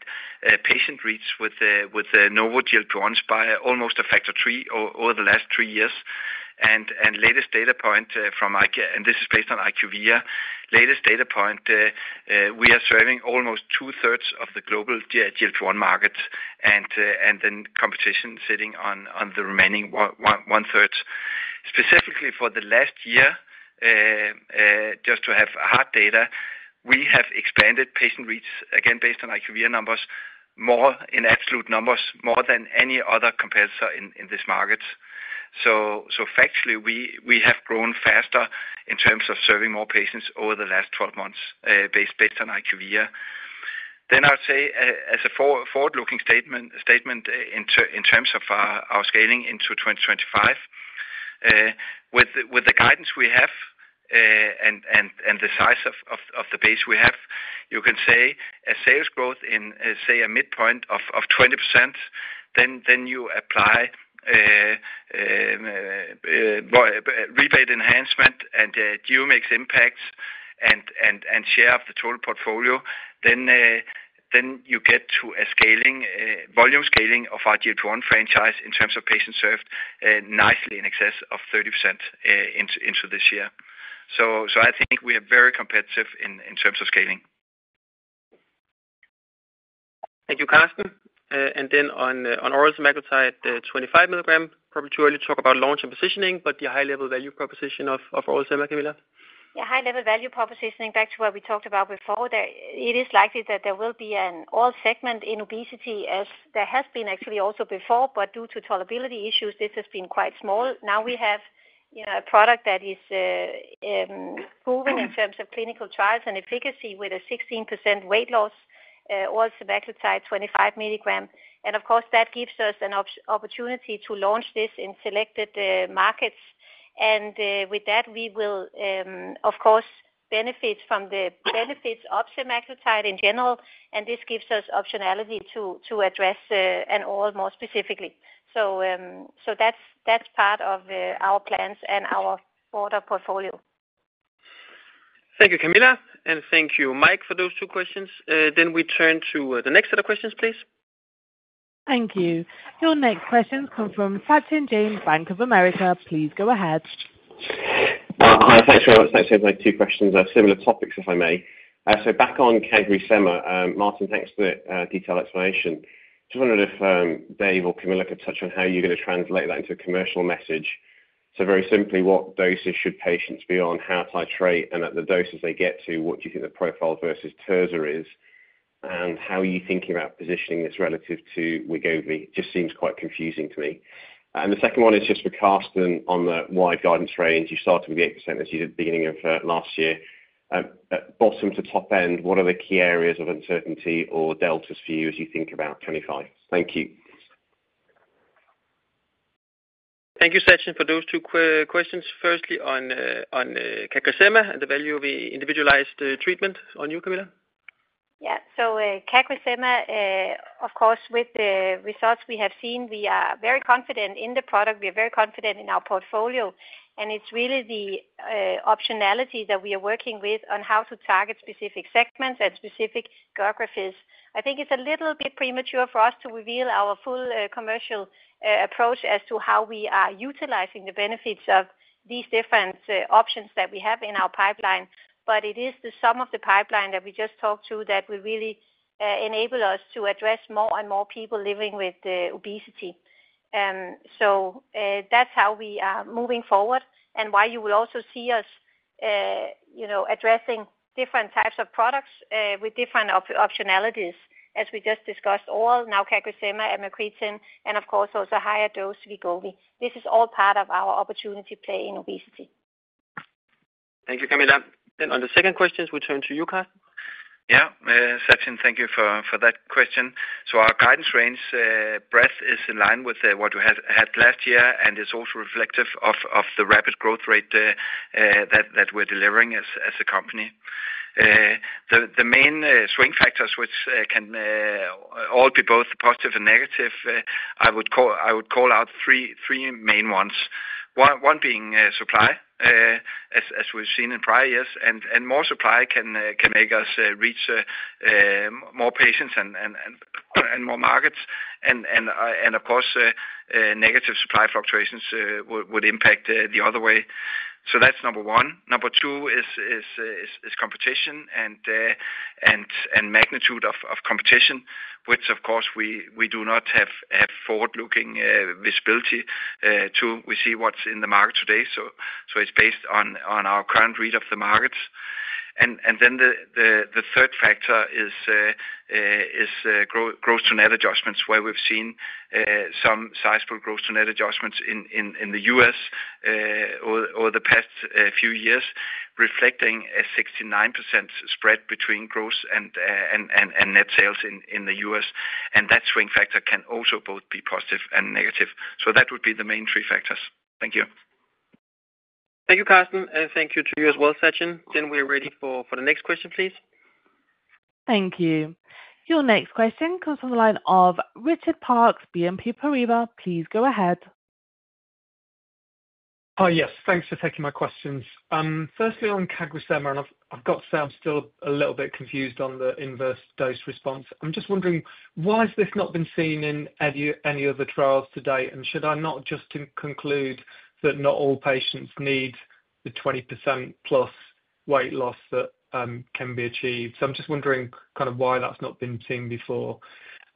patient reach with GLP-1 drugs by almost a factor three over the last three years. Latest data point from, and this is based on IQVIA, we are serving almost two-thirds of the global GLP-1 market and then competition sitting on the remaining one-third. Specifically for the last year, just to have hard data, we have expanded patient reach again based on IQVIA numbers, more in absolute numbers, more than any other competitor in this market. Factually, we have grown faster in terms of serving more patients over the last 12 months based on IQVIA. I'd say as a forward-looking statement in terms of our scaling into 2025, with the guidance we have and the size of the base we have, you can say a sales growth in, say, a midpoint of 20%. Then you apply rebate enhancement and geo mix impacts and share of the total portfolio. Then you get to a volume scaling of our GLP-1 franchise in terms of patients served nicely in excess of 30% into this year. So I think we are very competitive in terms of scaling. Thank you, Karsten. On oral semaglutide 25 mg, probably too early to talk about launch and positioning, but the high-level value proposition of oral semaglutide. Yeah, high-level value proposition, back to what we talked about before, it is likely that there will be an oral segment in obesity as there has been actually also before, but due to tolerability issues, this has been quite small. Now we have a product that is proving in terms of clinical trials and efficacy with a 16% weight loss, oral semaglutide 25 mg. And of course, that gives us an opportunity to launch this in selected markets. And with that, we will, of course, benefit from the benefits of semaglutide in general, and this gives us optionality to address an oral more specifically. So that's part of our plans and our broader portfolio. Thank you, Camilla, and thank you, Mike, for those two questions. Then we turn to the next set of questions, please. Thank you. Your next questions come from Sachin Jain, Bank of America. Please go ahead. Hi, thanks for my two questions on similar topics, if I may. So back on CagriSema, Martin, thanks for the detailed explanation. Just wondering if Dave or Camilla could touch on how you're going to translate that into a commercial message. So very simply, what doses should patients be on, how to titrate, and at the doses they get to, what do you think the profile versus tirzepatide is, and how are you thinking about positioning this relative to Wegovy? It just seems quite confusing to me. And the second one is just for Karsten on the wide guidance range. You started with the 8% as you did at the beginning of last year. Bottom to top end, what are the key areas of uncertainty or deltas for you as you think about 2025? Thank you. Thank you, Sachin, for those two questions. Firstly, on CagriSema and the value of the individualized treatment on you, Camilla? Yeah. So CagriSema, of course, with the results we have seen, we are very confident in the product. We are very confident in our portfolio. And it's really the optionality that we are working with on how to target specific segments and specific geographies. I think it's a little bit premature for us to reveal our full commercial approach as to how we are utilizing the benefits of these different options that we have in our pipeline. But it is the sum of the pipeline that we just talked to that will really enable us to address more and more people living with obesity. So that's how we are moving forward and why you will also see us addressing different types of products with different optionalities, as we just discussed: oral, now CagriSema, amycretin, and of course, also higher dose Wegovy. This is all part of our opportunity play in obesity. Thank you, Camilla, and on the second question, we turn to you, Karsten. Yeah, Sachin, thank you for that question. So our guidance range breadth is in line with what we had last year and is also reflective of the rapid growth rate that we're delivering as a company. The main swing factors, which can all be both positive and negative, I would call out three main ones. One being supply, as we've seen in prior years, and more supply can make us reach more patients and more markets, and of course, negative supply fluctuations would impact the other way. So that's number one. Number two is competition and magnitude of competition, which, of course, we do not have forward-looking visibility to. We see what's in the market today. So it's based on our current read of the markets. And then the third factor is gross-to-net adjustments, where we've seen some sizable gross-to-net adjustments in the U.S. over the past few years, reflecting a 69% spread between gross and net sales in the U.S. And that swing factor can also both be positive and negative. So that would be the main three factors. Thank you. Thank you, Karsten. And thank you to you as well, Sachin. Then we're ready for the next question, please. Thank you. Your next question comes from the line of Richard Parkes, BNP Paribas. Please go ahead. Hi, yes. Thanks for taking my questions. Firstly, on CagriSema, and I've got to say I'm still a little bit confused on the inverse dose response. I'm just wondering, why has this not been seen in any other trials to date? And should I not just conclude that not all patients need the 20% plus weight loss that can be achieved? So I'm just wondering kind of why that's not been seen before.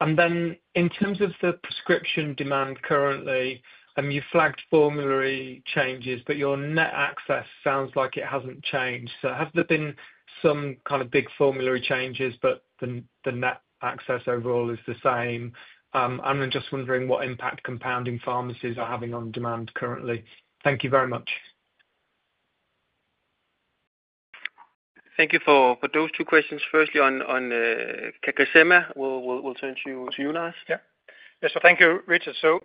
And then in terms of the prescription demand currently, you've flagged formulary changes, but your net access sounds like it hasn't changed. So have there been some kind of big formulary changes, but the net access overall is the same? I'm just wondering what impact compounding pharmacies are having on demand currently. Thank you very much. Thank you for those two questions. Firstly, on CagriSema, we'll turn to you now. Yeah. So thank you, Richard. So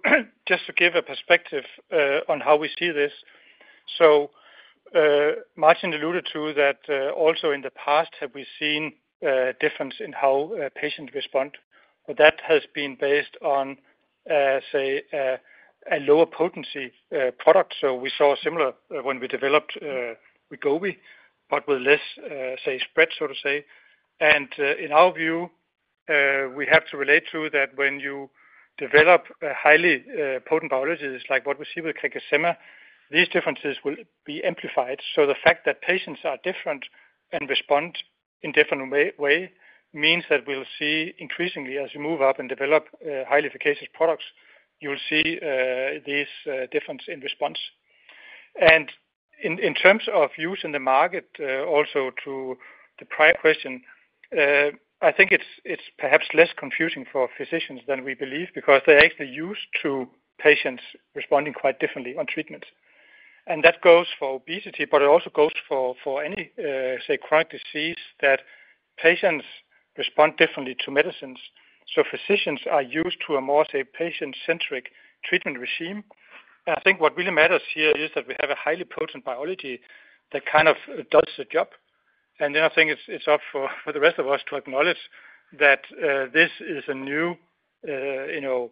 just to give a perspective on how we see this. So Martin alluded to that also in the past. Have we seen a difference in how patients respond? But that has been based on, say, a lower potency product. So we saw similar when we developed Rybelsus, but with less, say, spread, so to say. And in our view, we have to relate to that when you develop highly potent biologics, like what we see with CagriSema, these differences will be amplified. So the fact that patients are different and respond in a different way means that we'll see increasingly, as you move up and develop highly efficacious products, you'll see these differences in response. And in terms of use in the market, also to the prior question, I think it's perhaps less confusing for physicians than we believe because they're actually used to patients responding quite differently on treatments. And that goes for obesity, but it also goes for any, say, chronic disease that patients respond differently to medicines. So physicians are used to a more, say, patient-centric treatment regimen. And I think what really matters here is that we have a highly potent biologic that kind of does the job. And then I think it's up for the rest of us to acknowledge that this is a new signal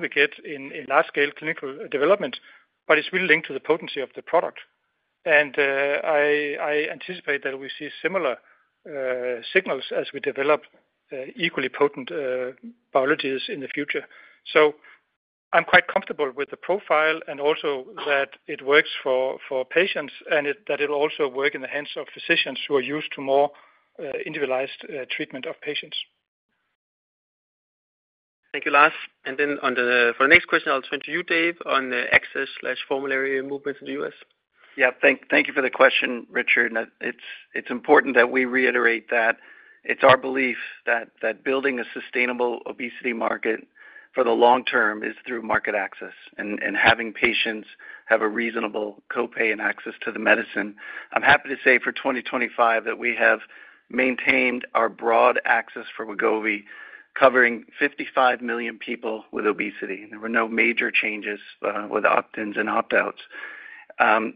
we get in large-scale clinical development, but it's really linked to the potency of the product. And I anticipate that we see similar signals as we develop equally potent biologics in the future. I'm quite comfortable with the profile and also that it works for patients and that it'll also work in the hands of physicians who are used to more individualized treatment of patients. Thank you, Lars. For the next question, I'll turn to you, Dave, on access and formulary movements in the US. Yeah, thank you for the question, Richard. It's important that we reiterate that it's our belief that building a sustainable obesity market for the long term is through market access and having patients have a reasonable copay and access to the medicine. I'm happy to say for 2025 that we have maintained our broad access for Wegovy, covering 55 million people with obesity. There were no major changes with opt-ins and opt-outs.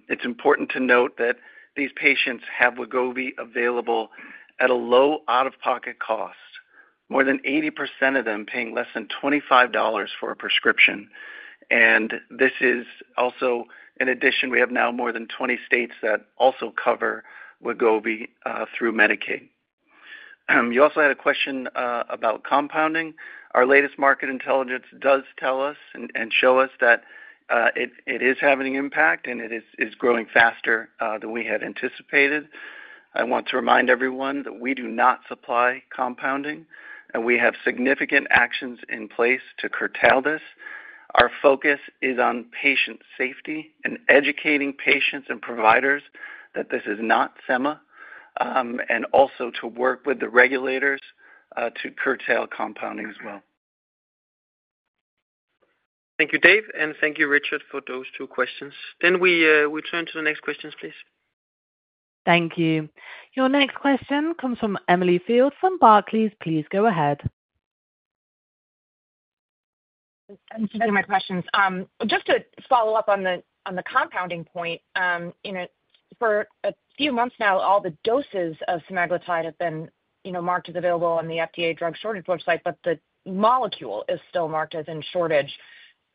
It's important to note that these patients have Wegovy available at a low out-of-pocket cost, more than 80% of them paying less than $25 for a prescription, and this is also in addition, we have now more than 20 states that also cover Wegovy through Medicaid. You also had a question about compounding. Our latest market intelligence does tell us and show us that it is having an impact and it is growing faster than we had anticipated. I want to remind everyone that we do not supply compounding and we have significant actions in place to curtail this. Our focus is on patient safety and educating patients and providers that this is not sema, and also to work with the regulators to curtail compounding as well. Thank you, Dave, and thank you, Richard, for those two questions, then we turn to the next questions, please. Thank you. Your next question comes from Emily Field from Barclays. Please go ahead. Thanks for taking my questions. Just to follow up on the compounding point, for a few months now, all the doses of semaglutide have been marked as available on the FDA drug shortage website, but the molecule is still marked as in shortage.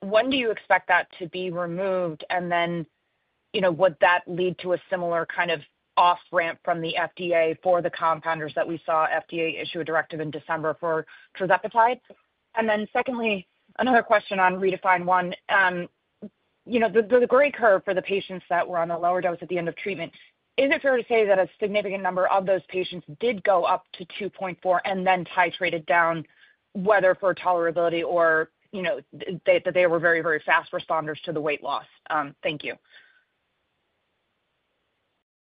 When do you expect that to be removed? And then would that lead to a similar kind of off-ramp from the FDA for the compounders that we saw FDA issue a directive in December for tirzepatide? And then secondly, another question on REDEFINE 1. The degree curve for the patients that were on the lower dose at the end of treatment, is it fair to say that a significant number of those patients did go up to 2.4 and then titrated down, whether for tolerability or that they were very, very fast responders to the weight loss? Thank you.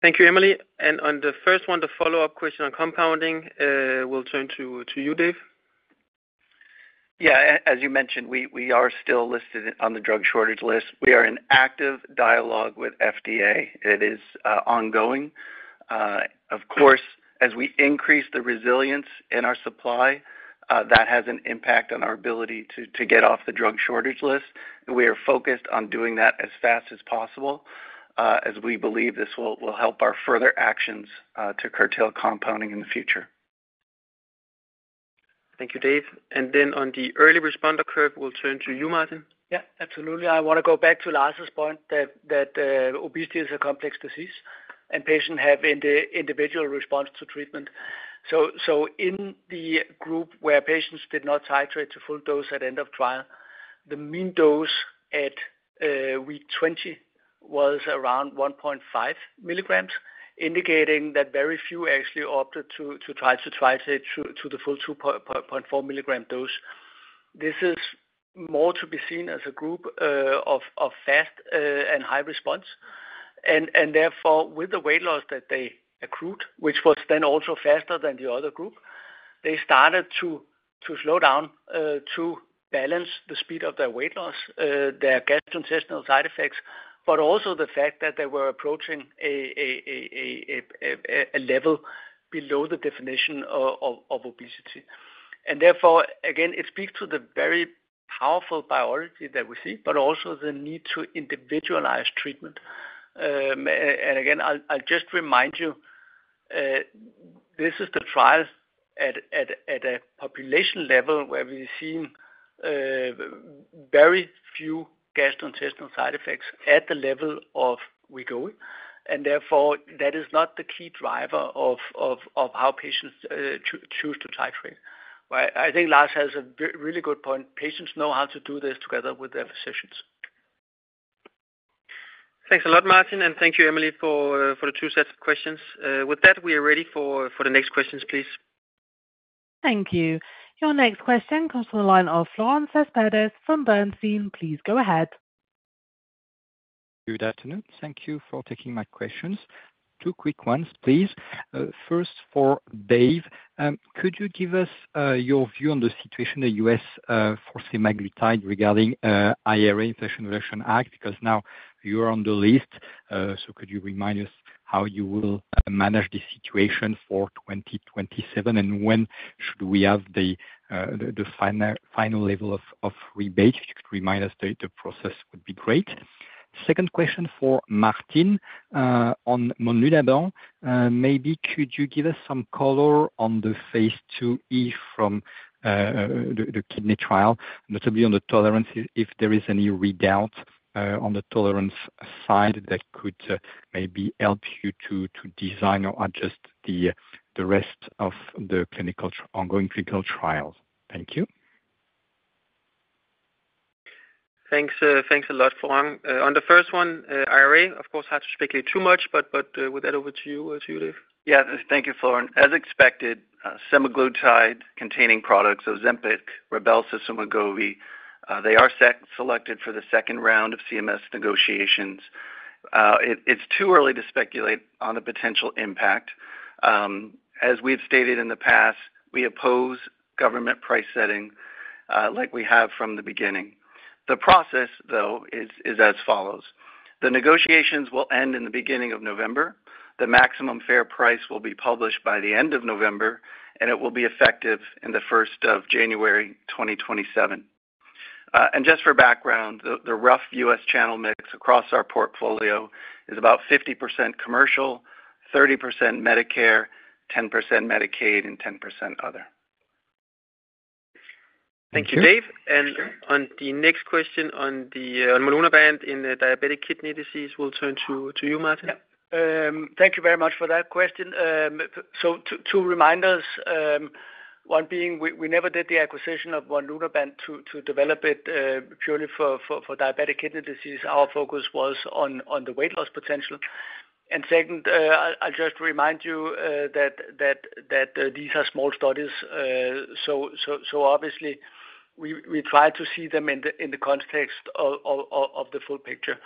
Thank you, Emily. And on the first one, the follow-up question on compounding, we'll turn to you, Dave. Yeah, as you mentioned, we are still listed on the drug shortage list. We are in active dialogue with FDA. It is ongoing. Of course, as we increase the resilience in our supply, that has an impact on our ability to get off the drug shortage list. We are focused on doing that as fast as possible as we believe this will help our further actions to curtail compounding in the future. Thank you, Dave. And then on the early responder curve, we'll turn to you, Martin. Yeah, absolutely. I want to go back to Lars's point that obesity is a complex disease and patients have an individual response to treatment. So in the group where patients did not titrate to full dose at end of trial, the mean dose at week 20 was around 1.5 mg, indicating that very few actually opted to try to titrate to the full 2.4 mg dose. This is more to be seen as a group of fast and high response. And therefore, with the weight loss that they accrued, which was then also faster than the other group, they started to slow down to balance the speed of their weight loss, their gastrointestinal side effects, but also the fact that they were approaching a level below the definition of obesity. And therefore, again, it speaks to the very powerful biology that we see, but also the need to individualize treatment. And again, I'll just remind you, this is the trial at a population level where we've seen very few gastrointestinal side effects at the level of Wegovy. And therefore, that is not the key driver of how patients choose to titrate. I think Lars has a really good point. Patients know how to do this together with their physicians. Thanks a lot, Martin. And thank you, Emily, for the two sets of questions. With that, we are ready for the next questions, please. Thank you. Your next question comes from the line of Florent Cespedes from Bernstein. Please go ahead. Good afternoon. Thank you for taking my questions. Two quick ones, please. First, for Dave, could you give us your view on the situation in the U.S. for semaglutide regarding the Inflation Reduction Act? Because now you're on the list, so could you remind us how you will manage the situation for 2027? And when should we have the final level of rebate? If you could remind us, the process would be great. Second question for Martin on monlunabant. Maybe could you give us some color on the phase IIb from the kidney trial, notably on the tolerance, if there is any doubt on the tolerance side that could maybe help you to design or adjust the rest of the ongoing clinical trials? Thank you. Thanks a lot, Florent. On the first one, IRA, of course, I don't have to speak too much, but with that, over to you, Dave. Yeah, thank you, Florent. As expected, semaglutide-containing products, Ozempic, Rybelsus, and Wegovy, they are selected for the second round of CMS negotiations. It's too early to speculate on the potential impact. As we've stated in the past, we oppose government price setting like we have from the beginning. The process, though, is as follows. The negotiations will end in the beginning of November. The maximum fair price will be published by the end of November, and it will be effective in the first of January 2027. Just for background, the rough U.S. channel mix across our portfolio is about 50% commercial, 30% Medicare, 10% Medicaid, and 10% other. Thank you, Dave. On the next question on the monlunabant in diabetic kidney disease, we'll turn to you, Martin. Thank you very much for that question. So two reminders, one being, we never did the acquisition of monlunabant to develop it purely for diabetic kidney disease. Our focus was on the weight loss potential. And second, I'll just remind you that these are small studies. So obviously, we try to see them in the context of the full picture.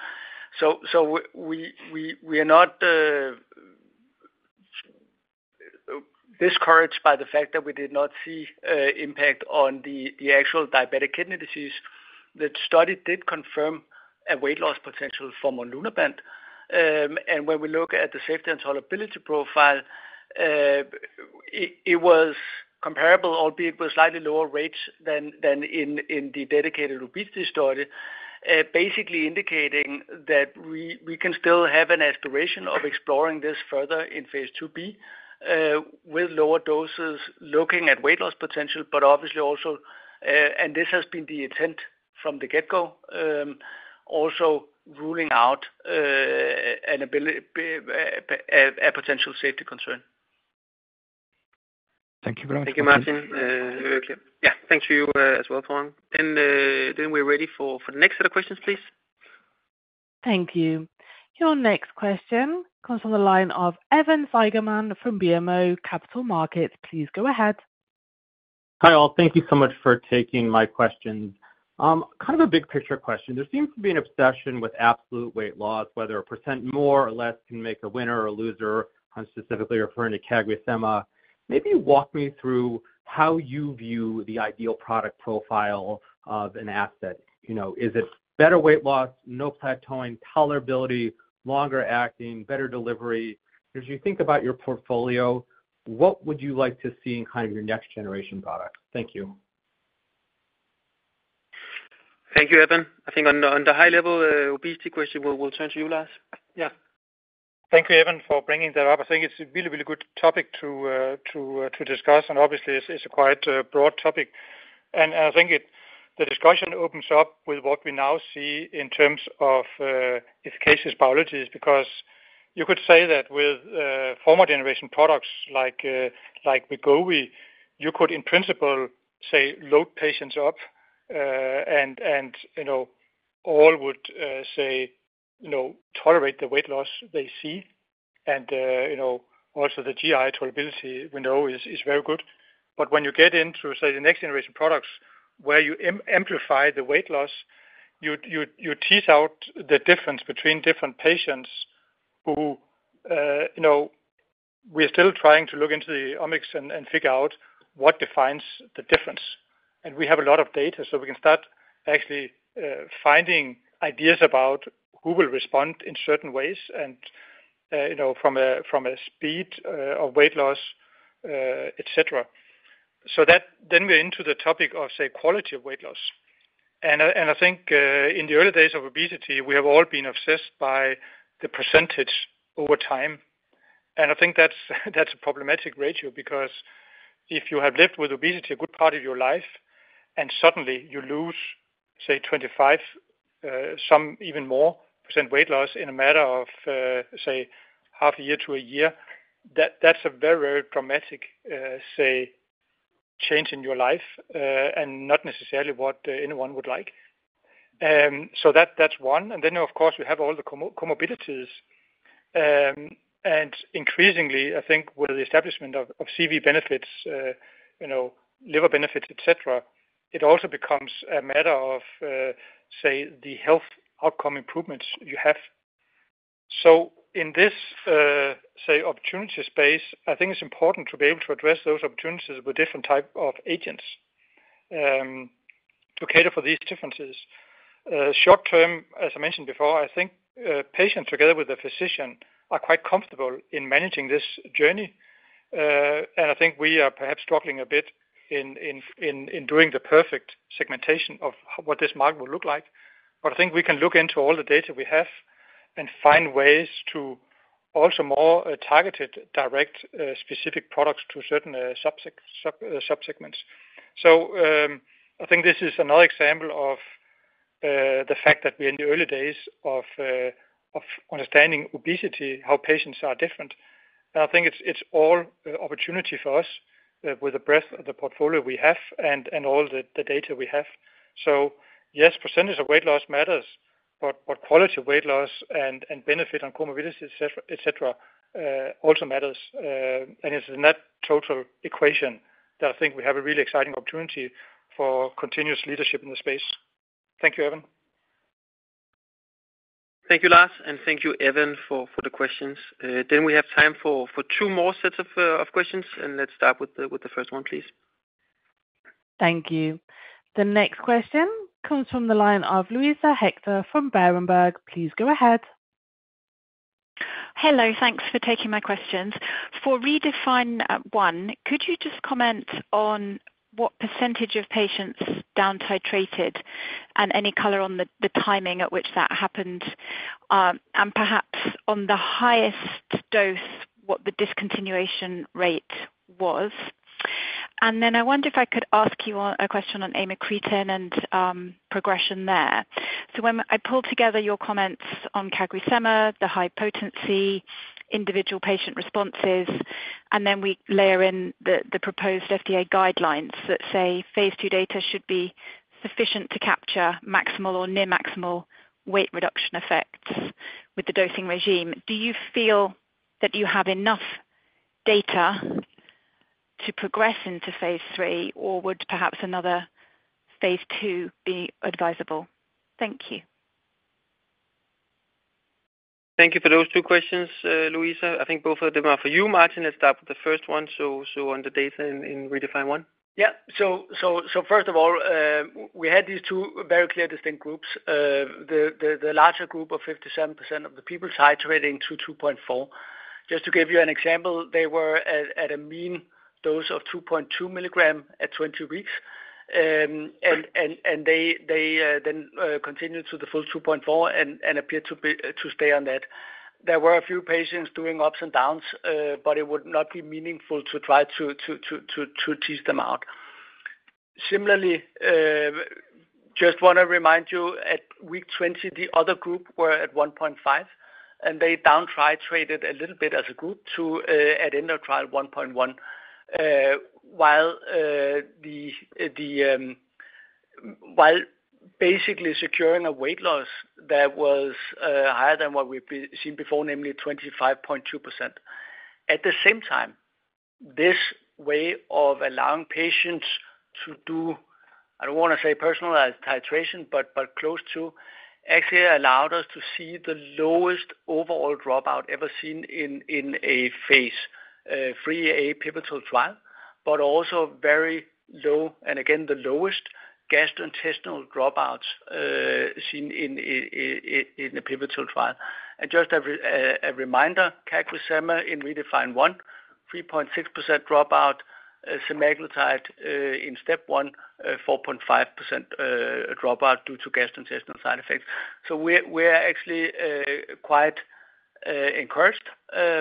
So we are not discouraged by the fact that we did not see impact on the actual diabetic kidney disease. The study did confirm a weight loss potential for monlunabant. And when we look at the safety and tolerability profile, it was comparable, albeit with slightly lower rates than in the dedicated obesity study, basically indicating that we can still have an aspiration of exploring this further in phase IIB with lower doses, looking at weight loss potential, but obviously also, and this has been the intent from the get-go, also ruling out a potential safety concern. Thank you very much. Thank you, Martin. Yeah, thanks to you as well, Florent. Then we're ready for the next set of questions, please. Thank you. Your next question comes from the line of Evan Seigerman from BMO Capital Markets. Please go ahead. Hi all. Thank you so much for taking my questions. Kind of a big picture question. There seems to be an obsession with absolute weight loss, whether a percent more or less can make a winner or a loser, specifically referring to CagriSema. Maybe walk me through how you view the ideal product profile of an asset. Is it better weight loss, no plateauing, tolerability, longer acting, better delivery? As you think about your portfolio, what would you like to see in kind of your next generation products? Thank you. Thank you, Evan. I think on the high-level obesity question, we'll turn to you, Lars. Yeah. Thank you, Evan, for bringing that up. I think it's a really, really good topic to discuss, and obviously, it's a quite broad topic. And I think the discussion opens up with what we now see in terms of efficacious biologics because you could say that with former generation products like Saxenda, you could, in principle, say, load patients up, and all would say, tolerate the weight loss they see. And also the GI tolerability, we know, is very good. But when you get into, say, the next generation products where you amplify the weight loss, you tease out the difference between different patients who we're still trying to look into the omics and figure out what defines the difference. And we have a lot of data, so we can start actually finding ideas about who will respond in certain ways and from a speed of weight loss, etc. So then we're into the topic of, say, quality of weight loss. And I think in the early days of obesity, we have all been obsessed by the percentage over time. And I think that's a problematic ratio because if you have lived with obesity a good part of your life and suddenly you lose, say, 25%, some even more % weight loss in a matter of, say, half a year to a year, that's a very, very dramatic, say, change in your life and not necessarily what anyone would like. So that's one. And then, of course, we have all the comorbidities. And increasingly, I think with the establishment of CV benefits, liver benefits, etc., it also becomes a matter of, say, the health outcome improvements you have. So in this, say, opportunity space, I think it's important to be able to address those opportunities with different types of agents to cater for these differences. Short term, as I mentioned before, I think patients together with a physician are quite comfortable in managing this journey. And I think we are perhaps struggling a bit in doing the perfect segmentation of what this market will look like. But I think we can look into all the data we have and find ways to also more targeted, direct, specific products to certain subsegments. So I think this is another example of the fact that we're in the early days of understanding obesity, how patients are different. And I think it's all opportunity for us with the breadth of the portfolio we have and all the data we have. So yes, percentage of weight loss matters, but quality of weight loss and benefit on comorbidities, etc., also matters. And it's in that total equation that I think we have a really exciting opportunity for continuous leadership in the space. Thank you, Evan. Thank you, Lars, and thank you, Evan, for the questions. Then we have time for two more sets of questions, and let's start with the first one, please. Thank you. The next question comes from the line of Luisa Hector from Berenberg. Please go ahead. Hello, thanks for taking my questions. For REDEFINE 1, could you just comment on what percentage of patients downtitrated and any color on the timing at which that happened and perhaps on the highest dose, what the discontinuation rate was? And then I wonder if I could ask you a question on amycretin and progression there. When I pull together your comments on CagriSema, the high potency, individual patient responses, and then we layer in the proposed FDA guidelines that say phase II data should be sufficient to capture maximal or near-maximal weight reduction effects with the dosing regime. Do you feel that you have enough data to progress into phase III, or would perhaps another phase II be advisable? Thank you. Thank you for those two questions, Luisa. I think both of them are for you, Martin. Let's start with the first one. So on the data in REDEFINE 1. Yeah. So first of all, we had these two very clear distinct groups. The larger group of 57% of the people titrating to 2.4. Just to give you an example, they were at a mean dose of 2.2 mg at 20 weeks. They then continued to the full 2.4 and appeared to stay on that. There were a few patients doing ups and downs, but it would not be meaningful to try to tease them out. Similarly, just want to remind you at week 20, the other group were at 1.5, and they downtitrated a little bit as a group to, at end of trial, 1.1, while basically securing a weight loss that was higher than what we've seen before, namely 25.2%. At the same time, this way of allowing patients to do, I don't want to say personalized titration, but close to, actually allowed us to see the lowest overall dropout ever seen in a phase IIIA pivotal trial, but also very low, and again, the lowest gastrointestinal dropouts seen in a pivotal trial. Just a reminder, CagriSema in REDEFINE 1, 3.6% dropout, semaglutide in STEP 1, 4.5% dropout due to gastrointestinal side effects. We're actually quite encouraged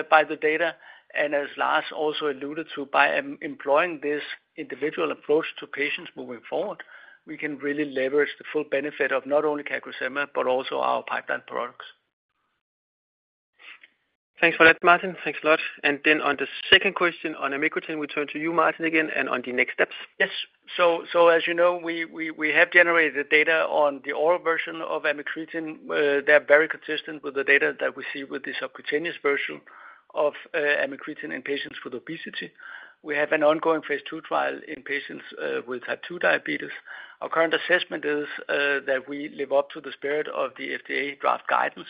by the data. As Lars also alluded to, by employing this individual approach to patients moving forward, we can really leverage the full benefit of not only CagriSema, but also our pipeline products. Thanks for that, Martin. Thanks a lot. On the second question on amycretin, we turn to you, Martin, again, and on the next steps. Yes. As you know, we have generated the data on the oral version of amycretin. They're very consistent with the data that we see with the subcutaneous version of amycretin in patients with obesity. We have an ongoing phase II trial in patients with type 2 diabetes. Our current assessment is that we live up to the spirit of the FDA draft guidance.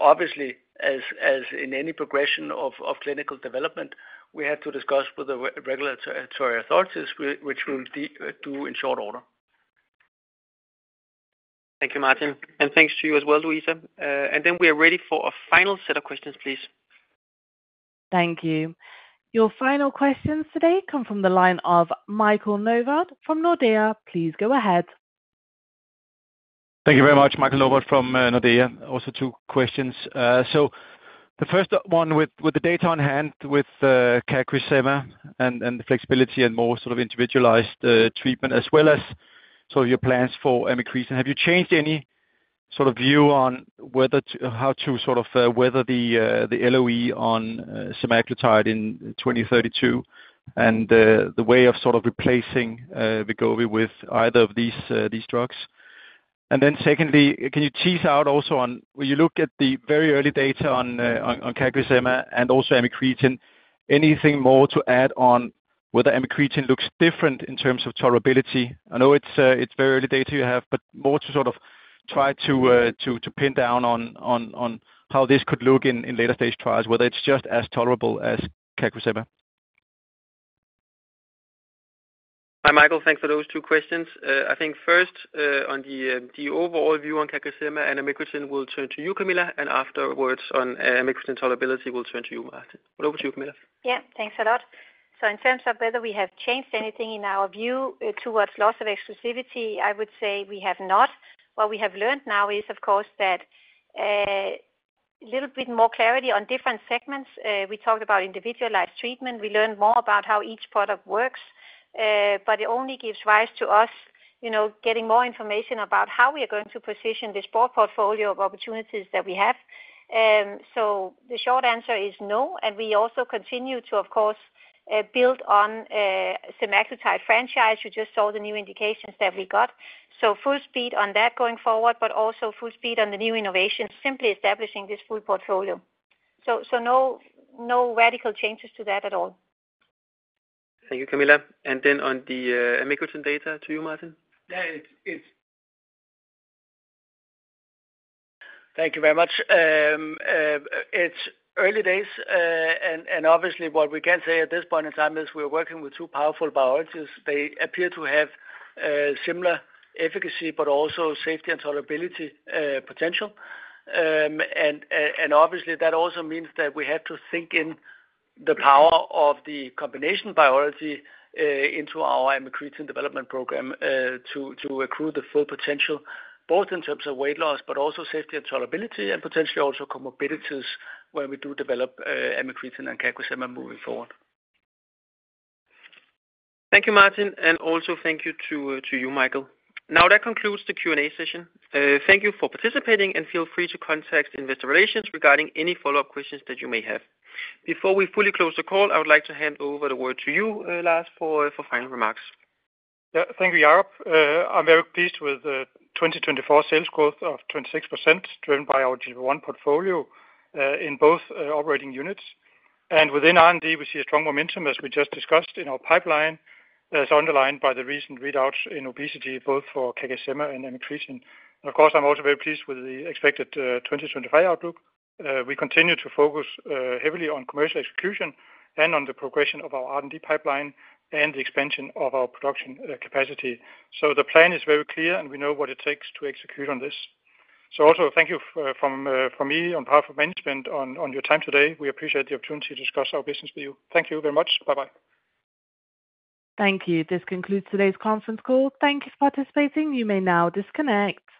Obviously, as in any progression of clinical development, we have to discuss with the regulatory authorities, which we'll do in short order. Thank you, Martin, and thanks to you as well, Luisa. Then we are ready for a final set of questions, please. T hank you. Your final questions today come from the line of Michael Novod from Nordea. Please go ahead. Thank you very much, Michael Novod from Nordea. Also two questions. So the first one with the data on hand with CagriSema and the flexibility and more sort of individualized treatment, as well as sort of your plans for amycretin. Have you changed any sort of view on how to sort of weather the LOE on semaglutide in 2032 and the way of sort of replacing Rybelsus with either of these drugs? And then secondly, can you tease out also on, when you look at the very early data on CagriSema and also amycretin, anything more to add on whether amycretin looks different in terms of tolerability? I know it's very early data you have, but more to sort of try to pin down on how this could look in later stage trials, whether it's just as tolerable as CagriSema. Hi, Michael. Thanks for those two questions. I think first, on the overall view on CagriSema and amycretin, we'll turn to you, Camilla, and afterwards on amycretin tolerability, we'll turn to you, Martin. Over to you, Camilla. Yeah, thanks a lot. So in terms of whether we have changed anything in our view towards loss of exclusivity, I would say we have not. What we have learned now is, of course, that a little bit more clarity on different segments. We talked about individualized treatment. We learned more about how each product works, but it only gives rise to us getting more information about how we are going to position this broad portfolio of opportunities that we have. So the short answer is no, and we also continue to, of course, build on semaglutide franchise. You just saw the new indications that we got. So full speed on that going forward, but also full speed on the new innovations, simply establishing this full portfolio. So no radical changes to that at all. Thank you, Camilla. And then on the amycretin data, to you, Martin. Yeah, it's thank you very much. It's early days, and obviously, what we can say at this point in time is we're working with two powerful biologies. They appear to have similar efficacy, but also safety and tolerability potential. Obviously, that also means that we have to think in the power of the combination biology into our amycretin development program to accrue the full potential, both in terms of weight loss, but also safety and tolerability and potentially also comorbidities when we do develop amycretin and CagriSema moving forward. Thank you, Martin, and also thank you to you, Michael. Now that concludes the Q&A session. Thank you for participating, and feel free to contact Investor Relations regarding any follow-up questions that you may have. Before we fully close the call, I would like to hand over the word to you, Lars, for final remarks. Thank you, Jakob. I'm very pleased with the 2024 sales growth of 26% driven by our GLP-1 portfolio in both operating units. And within R&D, we see a strong momentum, as we just discussed, in our pipeline, as underlined by the recent readouts in obesity, both for CagriSema and amycretin. Of course, I'm also very pleased with the expected 2025 outlook. We continue to focus heavily on commercial execution and on the progression of our R&D pipeline and the expansion of our production capacity. So the plan is very clear, and we know what it takes to execute on this. So also, thank you from me on behalf of management on your time today. We appreciate the opportunity to discuss our business with you. Thank you very much. Bye-bye. Thank you. This concludes today's conference call. Thank you for participating. You may now disconnect.